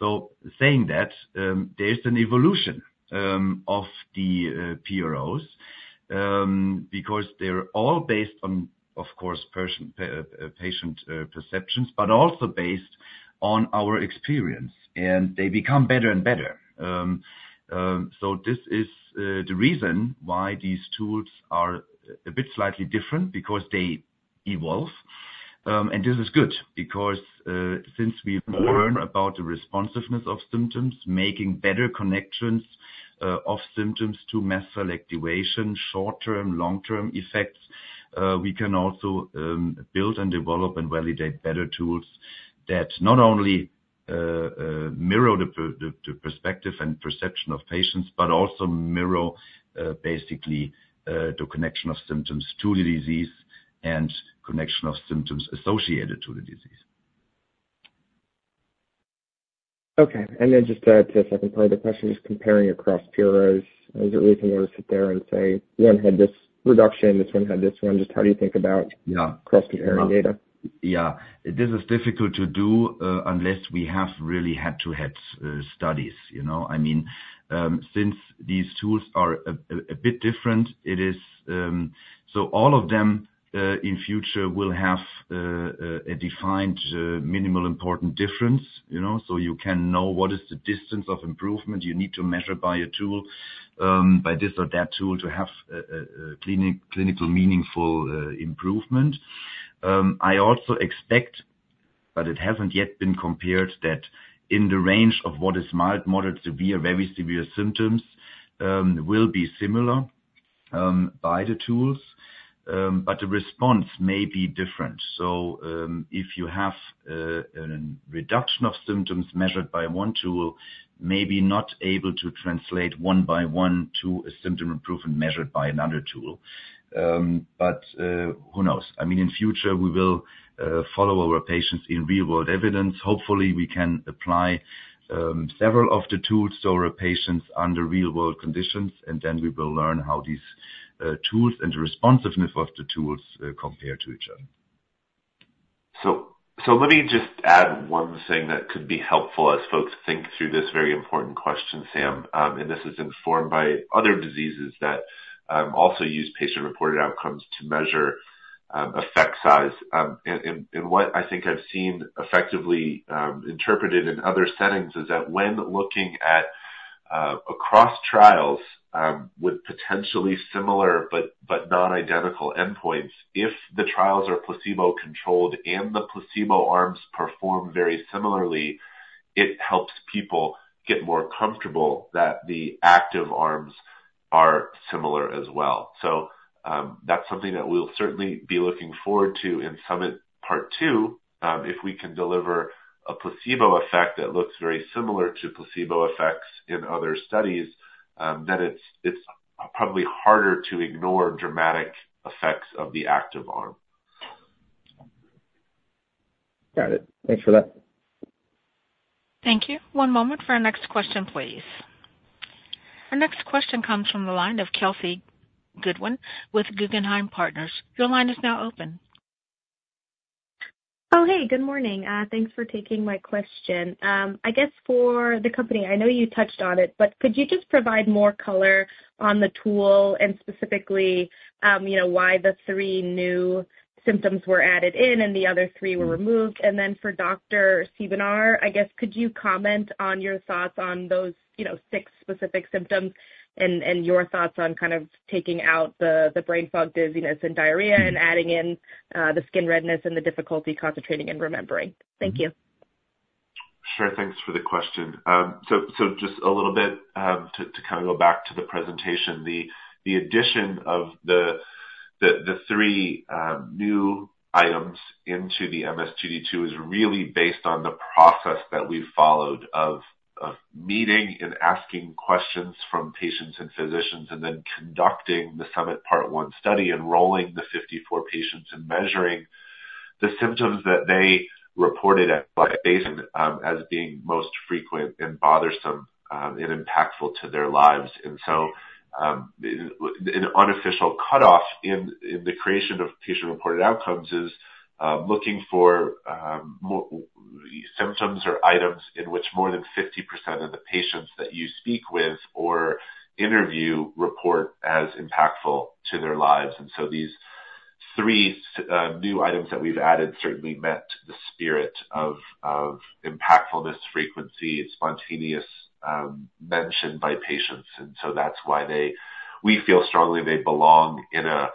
bezuclastinib. Saying that, there's an evolution of the PROs because they're all based on, of course, patient perceptions, but also based on our experience. They become better and better. This is the reason why these tools are a bit slightly different because they evolve. This is good because since we've learned about the responsiveness of symptoms, making better connections of symptoms to mast cell activation, short-term, long-term effects, we can also build and develop and validate better tools that not only mirror the perspective and perception of patients, but also mirror basically the connection of symptoms to the disease and connection of symptoms associated to the disease. Okay. And then just to a second part of the question, just comparing across PROs, is it reasonable to sit there and say, "One had this reduction, this one had this one"? Just how do you think about cross-comparing data? Yeah. This is difficult to do unless we have really head-to-head studies. I mean, since these tools are a bit different, it is so all of them in future will have a defined minimal important difference. So you can know what is the distance of improvement you need to measure by a tool, by this or that tool, to have clinical meaningful improvement. I also expect, but it hasn't yet been compared, that in the range of what is mild, moderate, severe, very severe symptoms will be similar by the tools, but the response may be different. So if you have a reduction of symptoms measured by one tool, maybe not able to translate one-by-one to a symptom improvement measured by another tool. But who knows? I mean, in future, we will follow our patients in real-world evidence. Hopefully, we can apply several of the tools to our patients under real-world conditions, and then we will learn how these tools and the responsiveness of the tools compare to each other. So let me just add one thing that could be helpful as folks think through this very important question, Sam. And this is informed by other diseases that also use patient-reported outcomes to measure effect size. And what I think I've seen effectively interpreted in other settings is that when looking at across trials with potentially similar but not identical endpoints, if the trials are placebo-controlled and the placebo arms perform very similarly, it helps people get more comfortable that the active arms are similar as well. So that's something that we'll certainly be looking forward to in SUMMITPart 2. If we can deliver a placebo effect that looks very similar to placebo effects in other studies, then it's probably harder to ignore dramatic effects of the active arm. Got it. Thanks for that. Thank you. One moment for our next question, please. Our next question comes from the line of Kelsey Goodwin with Guggenheim Partners. Your line is now open. Oh, hey. Good morning. Thanks for taking my question. I guess for the company, I know you touched on it, but could you just provide more color on the tool and specifically why the three new symptoms were added in and the other three were removed? And then for Dr. Siebenhaar, I guess, could you comment on your thoughts on those six specific symptoms and your thoughts on kind of taking out the brain fog, dizziness, and diarrhea, and adding in the skin redness and the difficulty concentrating and remembering? Thank you. Sure. Thanks for the question. So just a little bit to kind of go back to the presentation, the addition of the three new items into the MS2D2 is really based on the process that we've followed of meeting and asking questions from patients and physicians and then conducting the SUMMIT Part 1 study, enrolling the 54 patients, and measuring the symptoms that they reported at place as being most frequent and bothersome and impactful to their lives. And so an unofficial cutoff in the creation of patient-reported outcomes is looking for symptoms or items in which more than 50% of the patients that you speak with or interview report as impactful to their lives. And so these three new items that we've added certainly met the spirit of impactfulness, frequency, spontaneous mention by patients. And so that's why we feel strongly they belong in a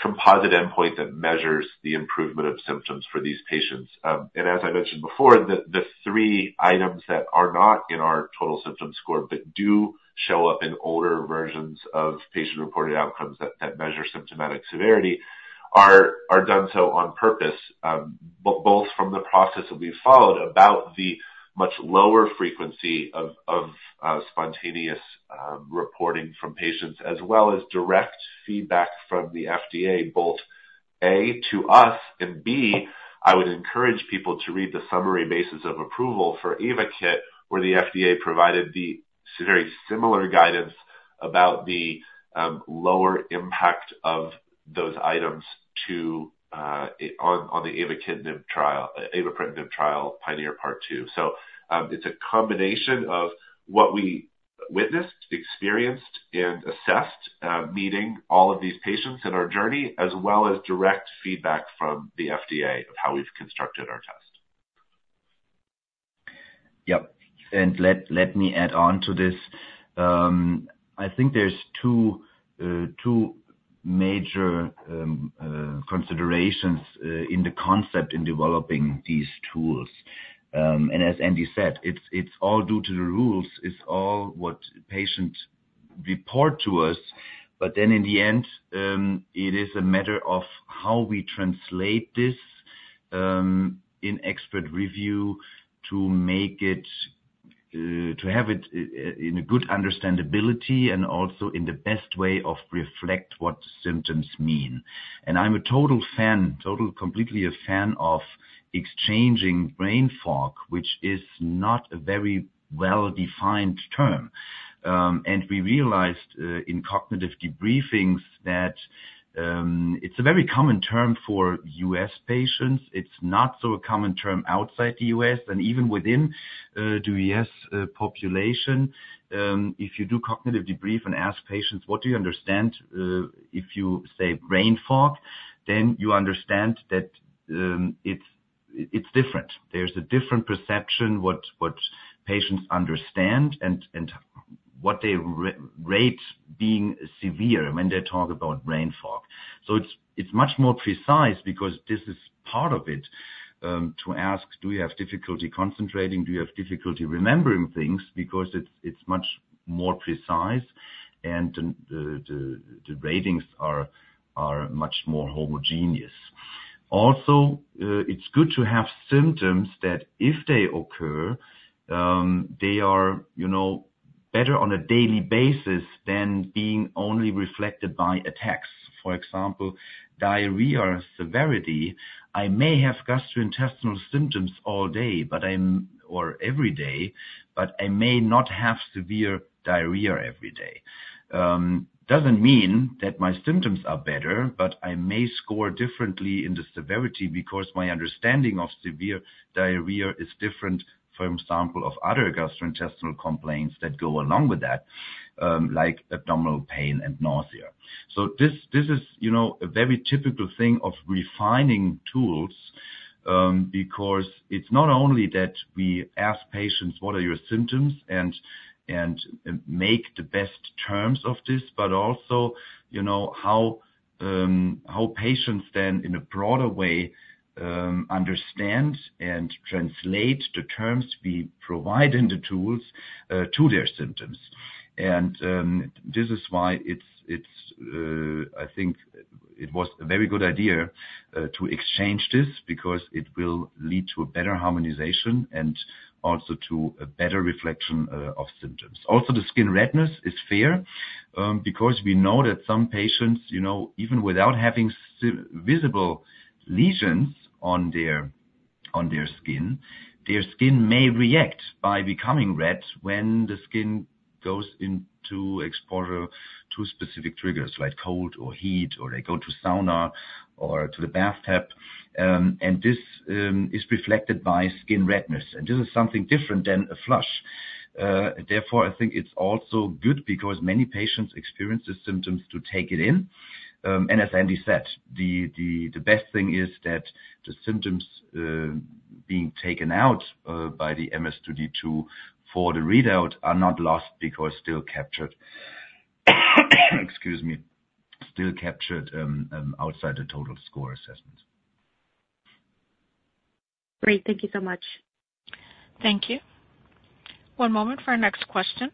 composite endpoint that measures the improvement of symptoms for these patients. And as I mentioned before, the three items that are not in our total symptom score but do show up in older versions of patient-reported outcomes that measure symptomatic severity are done so on purpose, both from the process that we've followed about the much lower frequency of spontaneous reporting from patients as well as direct feedback from the FDA, both A, to us, and B, I would encourage people to read the summary basis of approval for Ayvakit where the FDA provided the very similar guidance about the lower impact of those items on the Ayvakit in the PIONEER trial, PIONEER Part 2. So it's a combination of what we witnessed, experienced, and assessed, meeting all of these patients in our journey, as well as direct feedback from the FDA of how we've constructed our test. Yep. Let me add on to this. I think there's two major considerations in the concept in developing these tools. As Andy said, it's all due to the rules. It's all what patients report to us. But then in the end, it is a matter of how we translate this in expert review to have it in a good understandability and also in the best way of reflect what symptoms mean. I'm a total fan, completely a fan of exchanging brain fog, which is not a very well-defined term. We realized in cognitive debriefings that it's a very common term for U.S. patients. It's not so a common term outside the U.S. Even within the U.S. population, if you do cognitive debrief and ask patients, "What do you understand if you say brain fog?" then you understand that it's different. There's a different perception what patients understand and what they rate being severe when they talk about brain fog. So it's much more precise because this is part of it to ask, "Do you have difficulty concentrating? Do you have difficulty remembering things?" because it's much more precise, and the ratings are much more homogeneous. Also, it's good to have symptoms that if they occur, they are better on a daily basis than being only reflected by attacks. For example, diarrhea severity, I may have gastrointestinal symptoms all day or every day, but I may not have severe diarrhea every day. Doesn't mean that my symptoms are better, but I may score differently in the severity because my understanding of severe diarrhea is different, for example, from other gastrointestinal complaints that go along with that, like abdominal pain and nausea. So this is a very typical thing of refining tools because it's not only that we ask patients, "What are your symptoms?" and make the best terms of this, but also how patients then, in a broader way, understand and translate the terms we provide in the tools to their symptoms. And this is why I think it was a very good idea to exchange this because it will lead to a better harmonization and also to a better reflection of symptoms. Also, the skin redness is fair because we know that some patients, even without having visible lesions on their skin, their skin may react by becoming red when the skin goes into exposure to specific triggers like cold or heat, or they go to sauna or to the bathtub. And this is reflected by skin redness. And this is something different than a flush. Therefore, I think it's also good because many patients experience the symptoms to take it in. And as Andy said, the best thing is that the symptoms being taken out by the MS2D2 for the readout are not lost because still captured, excuse me, still captured outside the total score assessment. Great. Thank you so much. Thank you. One moment for our next question.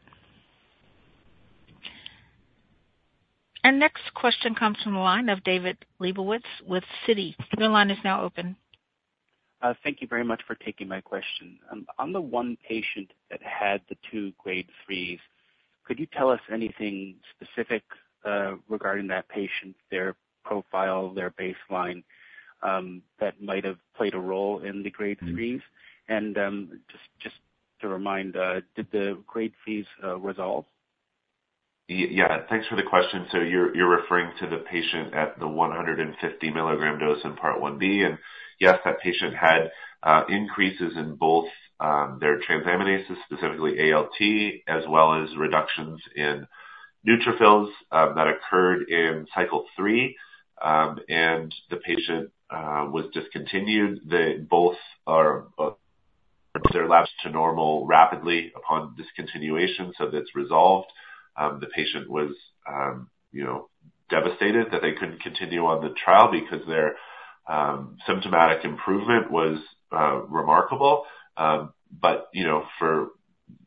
Our next question comes from the line of David Lebowitz with Citi. Your line is now open. Thank you very much for taking my question. On the one patient that had the two grade 3s, could you tell us anything specific regarding that patient, their profile, their baseline that might have played a role in the grade 3s? And just to remind, did the grade 3s resolve? Yeah. Thanks for the question. So you're referring to the patient at the 150 mg dose in Part 1b. And yes, that patient had increases in both their transaminases, specifically ALT, as well as reductions in neutrophils that occurred in cycle 3. The patient was discontinued. Both their labs returned to normal rapidly upon discontinuation, so that's resolved. The patient was devastated that they couldn't continue on the trial because their symptomatic improvement was remarkable. For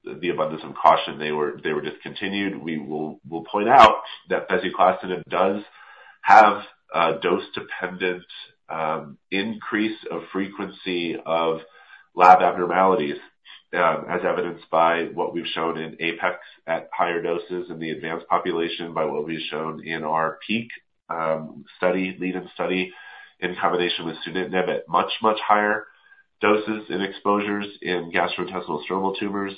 the abundance of caution, they were discontinued. We'll point out that bezuclastinib does have a dose-dependent increase of frequency of lab abnormalities as evidenced by what we've shown in APEX at higher doses in the advanced population, by what we've shown in our PEAK lead-in study in combination with sunitinib at much, much higher doses and exposures in gastrointestinal stromal tumors.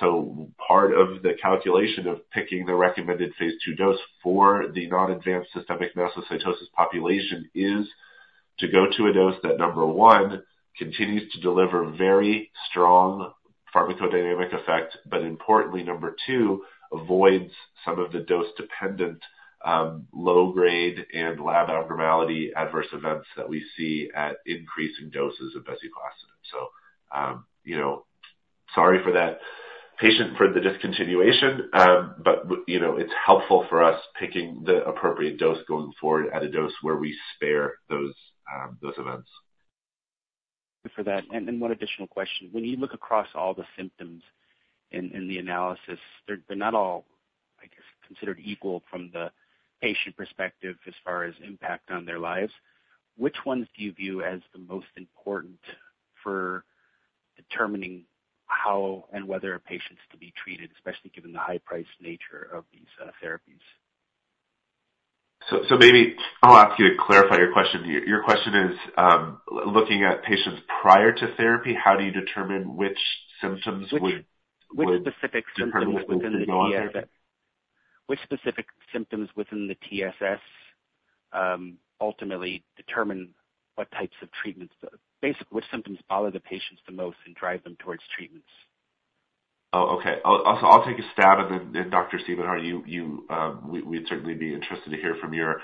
So part of the calculation of picking the recommended phase II dose for the non-advanced systemic mastocytosis population is to go to a dose that, number one, continues to deliver very strong pharmacodynamic effect, but importantly, number two, avoids some of the dose-dependent low-grade and lab abnormality adverse events that we see at increasing doses of bezuclastinib. So sorry for the discontinuation, but it's helpful for us picking the appropriate dose going forward at a dose where we spare those events. Good for that. And one additional question. When you look across all the symptoms in the analysis, they're not all, I guess, considered equal from the patient perspective as far as impact on their lives. Which ones do you view as the most important for determining how and whether a patient's to be treated, especially given the high-priced nature of these therapies? Maybe I'll ask you to clarify your question. Your question is, looking at patients prior to therapy, how do you determine which symptoms would. Which specific symptoms within the TSS ultimately determine what types of treatments basically, which symptoms bother the patients the most and drive them towards treatments? Oh, okay. So I'll take a stab at it. And Dr. Siebenhaar, we'd certainly be interested to hear from your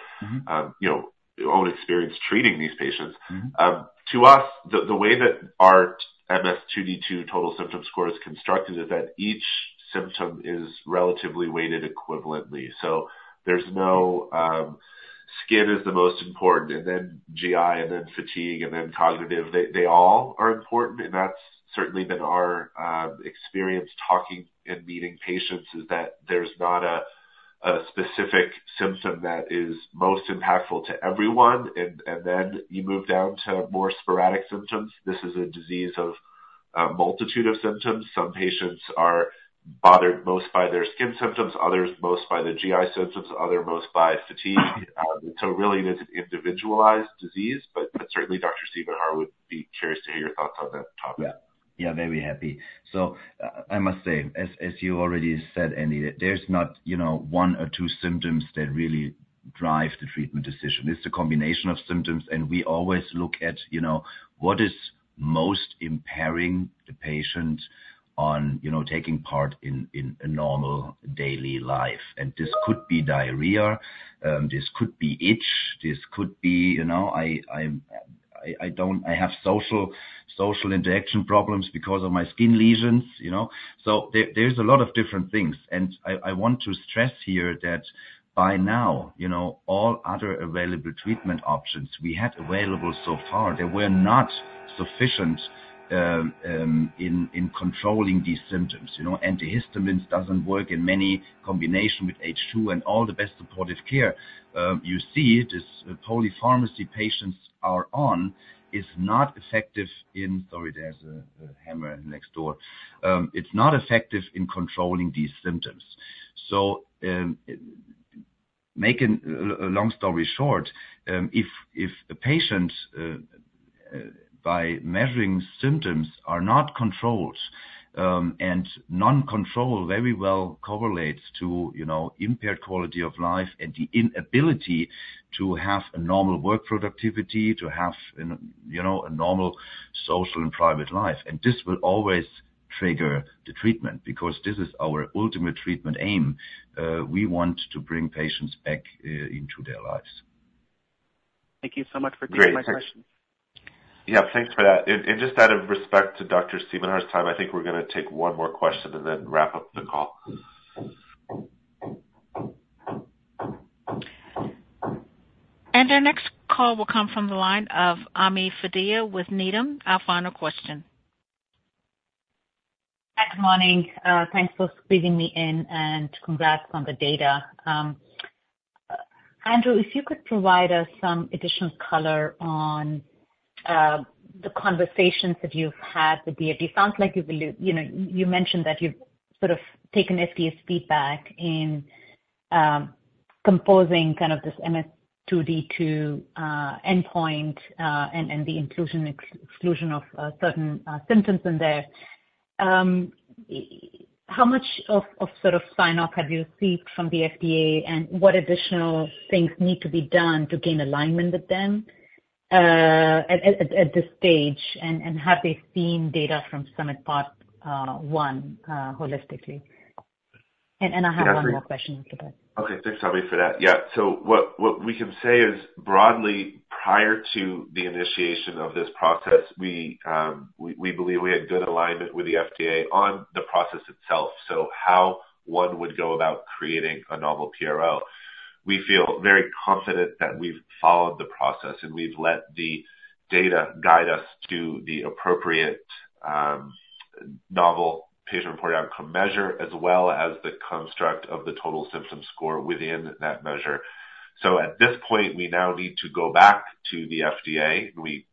own experience treating these patients. To us, the way that our MS2D2 total symptom score is constructed is that each symptom is relatively weighted equivalently. So there's no skin is the most important, and then GI, and then fatigue, and then cognitive. They all are important. And that's certainly been our experience talking and meeting patients is that there's not a specific symptom that is most impactful to everyone, and then you move down to more sporadic symptoms. This is a disease of a multitude of symptoms. Some patients are bothered most by their skin symptoms, others most by the GI symptoms, others most by fatigue. And so really, it is an individualized disease. But certainly, Dr. Siebenhaar would be curious to hear your thoughts on that topic. Yeah. Yeah. They'd be happy. So I must say, as you already said, Andy, there's not one or two symptoms that really drive the treatment decision. It's a combination of symptoms. And we always look at what is most impairing the patient on taking part in a normal daily life. And this could be diarrhea. This could be itch. This could be I have social interaction problems because of my skin lesions. So there's a lot of different things. And I want to stress here that by now, all other available treatment options we had available so far, they were not sufficient in controlling these symptoms. Antihistamines doesn't work in many combination with H2 and all the best supportive care. You see, this polypharmacy patients are on is not effective in sorry, there's a hammer next door. It's not effective in controlling these symptoms. So, to make a long story short, if a patient, by measuring symptoms, are not controlled and non-control very well correlates to impaired quality of life and the inability to have a normal work productivity, to have a normal social and private life, and this will always trigger the treatment because this is our ultimate treatment aim. We want to bring patients back into their lives. Thank you so much for taking my question. Great. Yeah. Thanks for that. And just out of respect to Dr. Siebenhaar's time, I think we're going to take one more question and then wrap up the call. Our next call will come from the line of Ami Fadia with Needham. Our final question. Good morning. Thanks for squeezing me in and congrats on the data. Andrew, if you could provide us some additional color on the conversations that you've had with FDA. Sounds like you mentioned that you've sort of taken FDA's feedback in composing kind of this MS2D2 endpoint and the inclusion and exclusion of certain symptoms in there. How much of sort of sign-off have you received from the FDA, and what additional things need to be done to gain alignment with them at this stage? And have they seen data from SUMMIT Part 1 holistically? And I have one more question after that. Okay. Thanks, Ami, for that. Yeah. So what we can say is, broadly, prior to the initiation of this process, we believe we had good alignment with the FDA on the process itself, so how one would go about creating a novel PRO. We feel very confident that we've followed the process, and we've let the data guide us to the appropriate novel patient-reported outcome measure as well as the construct of the total symptom score within that measure. So at this point, we now need to go back to the FDA. We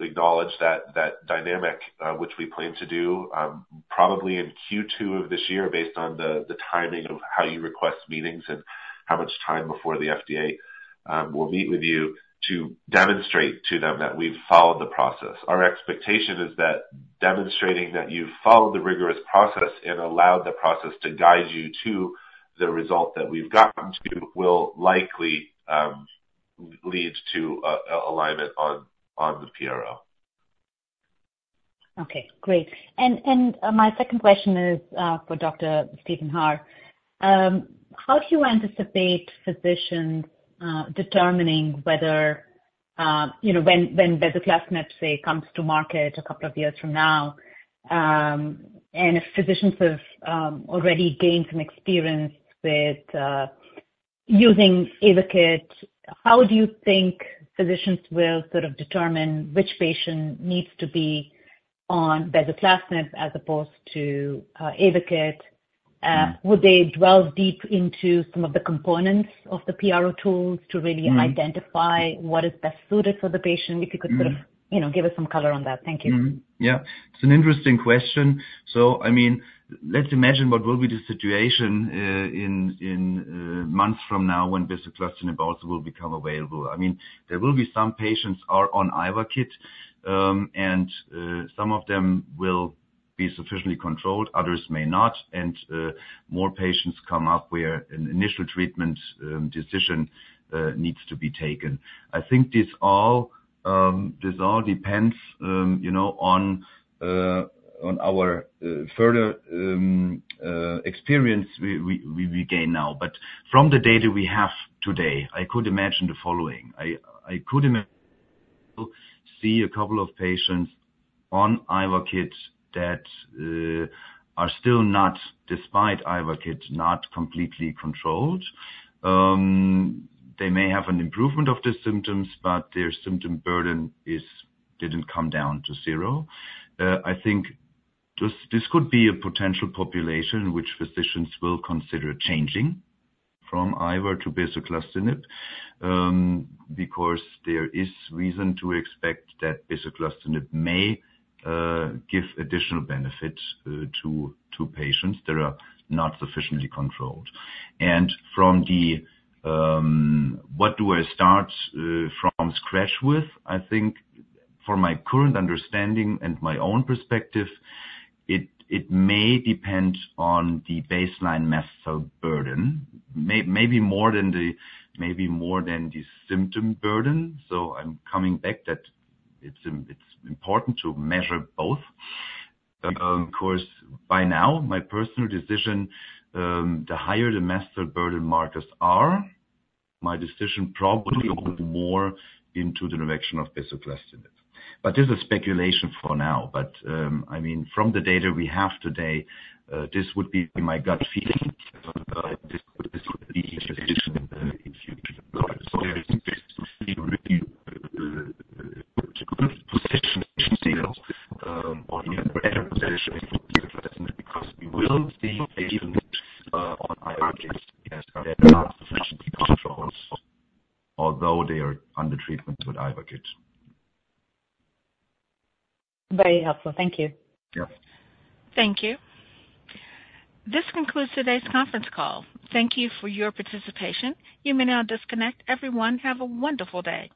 acknowledge that dynamic, which we plan to do probably in Q2 of this year based on the timing of how you request meetings and how much time before the FDA will meet with you to demonstrate to them that we've followed the process. Our expectation is that demonstrating that you've followed the rigorous process and allowed the process to guide you to the result that we've gotten to will likely lead to alignment on the PRO. Okay. Great. My second question is for Dr. Siebenhaar. How do you anticipate physicians determining whether when bezuclastinib, say, comes to market a couple of years from now, and if physicians have already gained some experience with using Ayvakit, how do you think physicians will sort of determine which patient needs to be on bezuclastinib as opposed to Ayvakit? Would they delve deep into some of the components of the PRO tools to really identify what is best suited for the patient? If you could sort of give us some color on that. Thank you. Yeah. It's an interesting question. So I mean, let's imagine what will be the situation in months from now when bezuclastinib also will become available. I mean, there will be some patients who are on Ayvakit, and some of them will be sufficiently controlled. Others may not. And more patients come up where an initial treatment decision needs to be taken. I think this all depends on our further experience we gain now. But from the data we have today, I could imagine the following. I could see a couple of patients on Ayvakit that are still not, despite Ayvakit, not completely controlled. They may have an improvement of the symptoms, but their symptom burden didn't come down to zero. I think this could be a potential population which physicians will consider changing from avapritinib to bezuclastinib because there is reason to expect that bezuclastinib may give additional benefit to patients that are not sufficiently controlled. And from the what do I start from scratch with? I think, for my current understanding and my own perspective, it may depend on the baseline mast cell burden, maybe more than the maybe more than the symptom burden. So I'm coming back that it's important to measure both. Of course, by now, my personal decision, the higher the mast cell burden markers are, my decision probably will be more into the direction of bezuclastinib. But this is speculation for now. But I mean, from the data we have today, this would be my gut feeling. This would be a decision in the future. [inaudible] even better positioning for bezuclastinib because we will see a given hit on Ayvakit that are not sufficiently controlled, although they are under treatment with Ayvakit. Very helpful. Thank you. Thank you. This concludes today's conference call. Thank you for your participation. You may now disconnect. Everyone, have a wonderful day.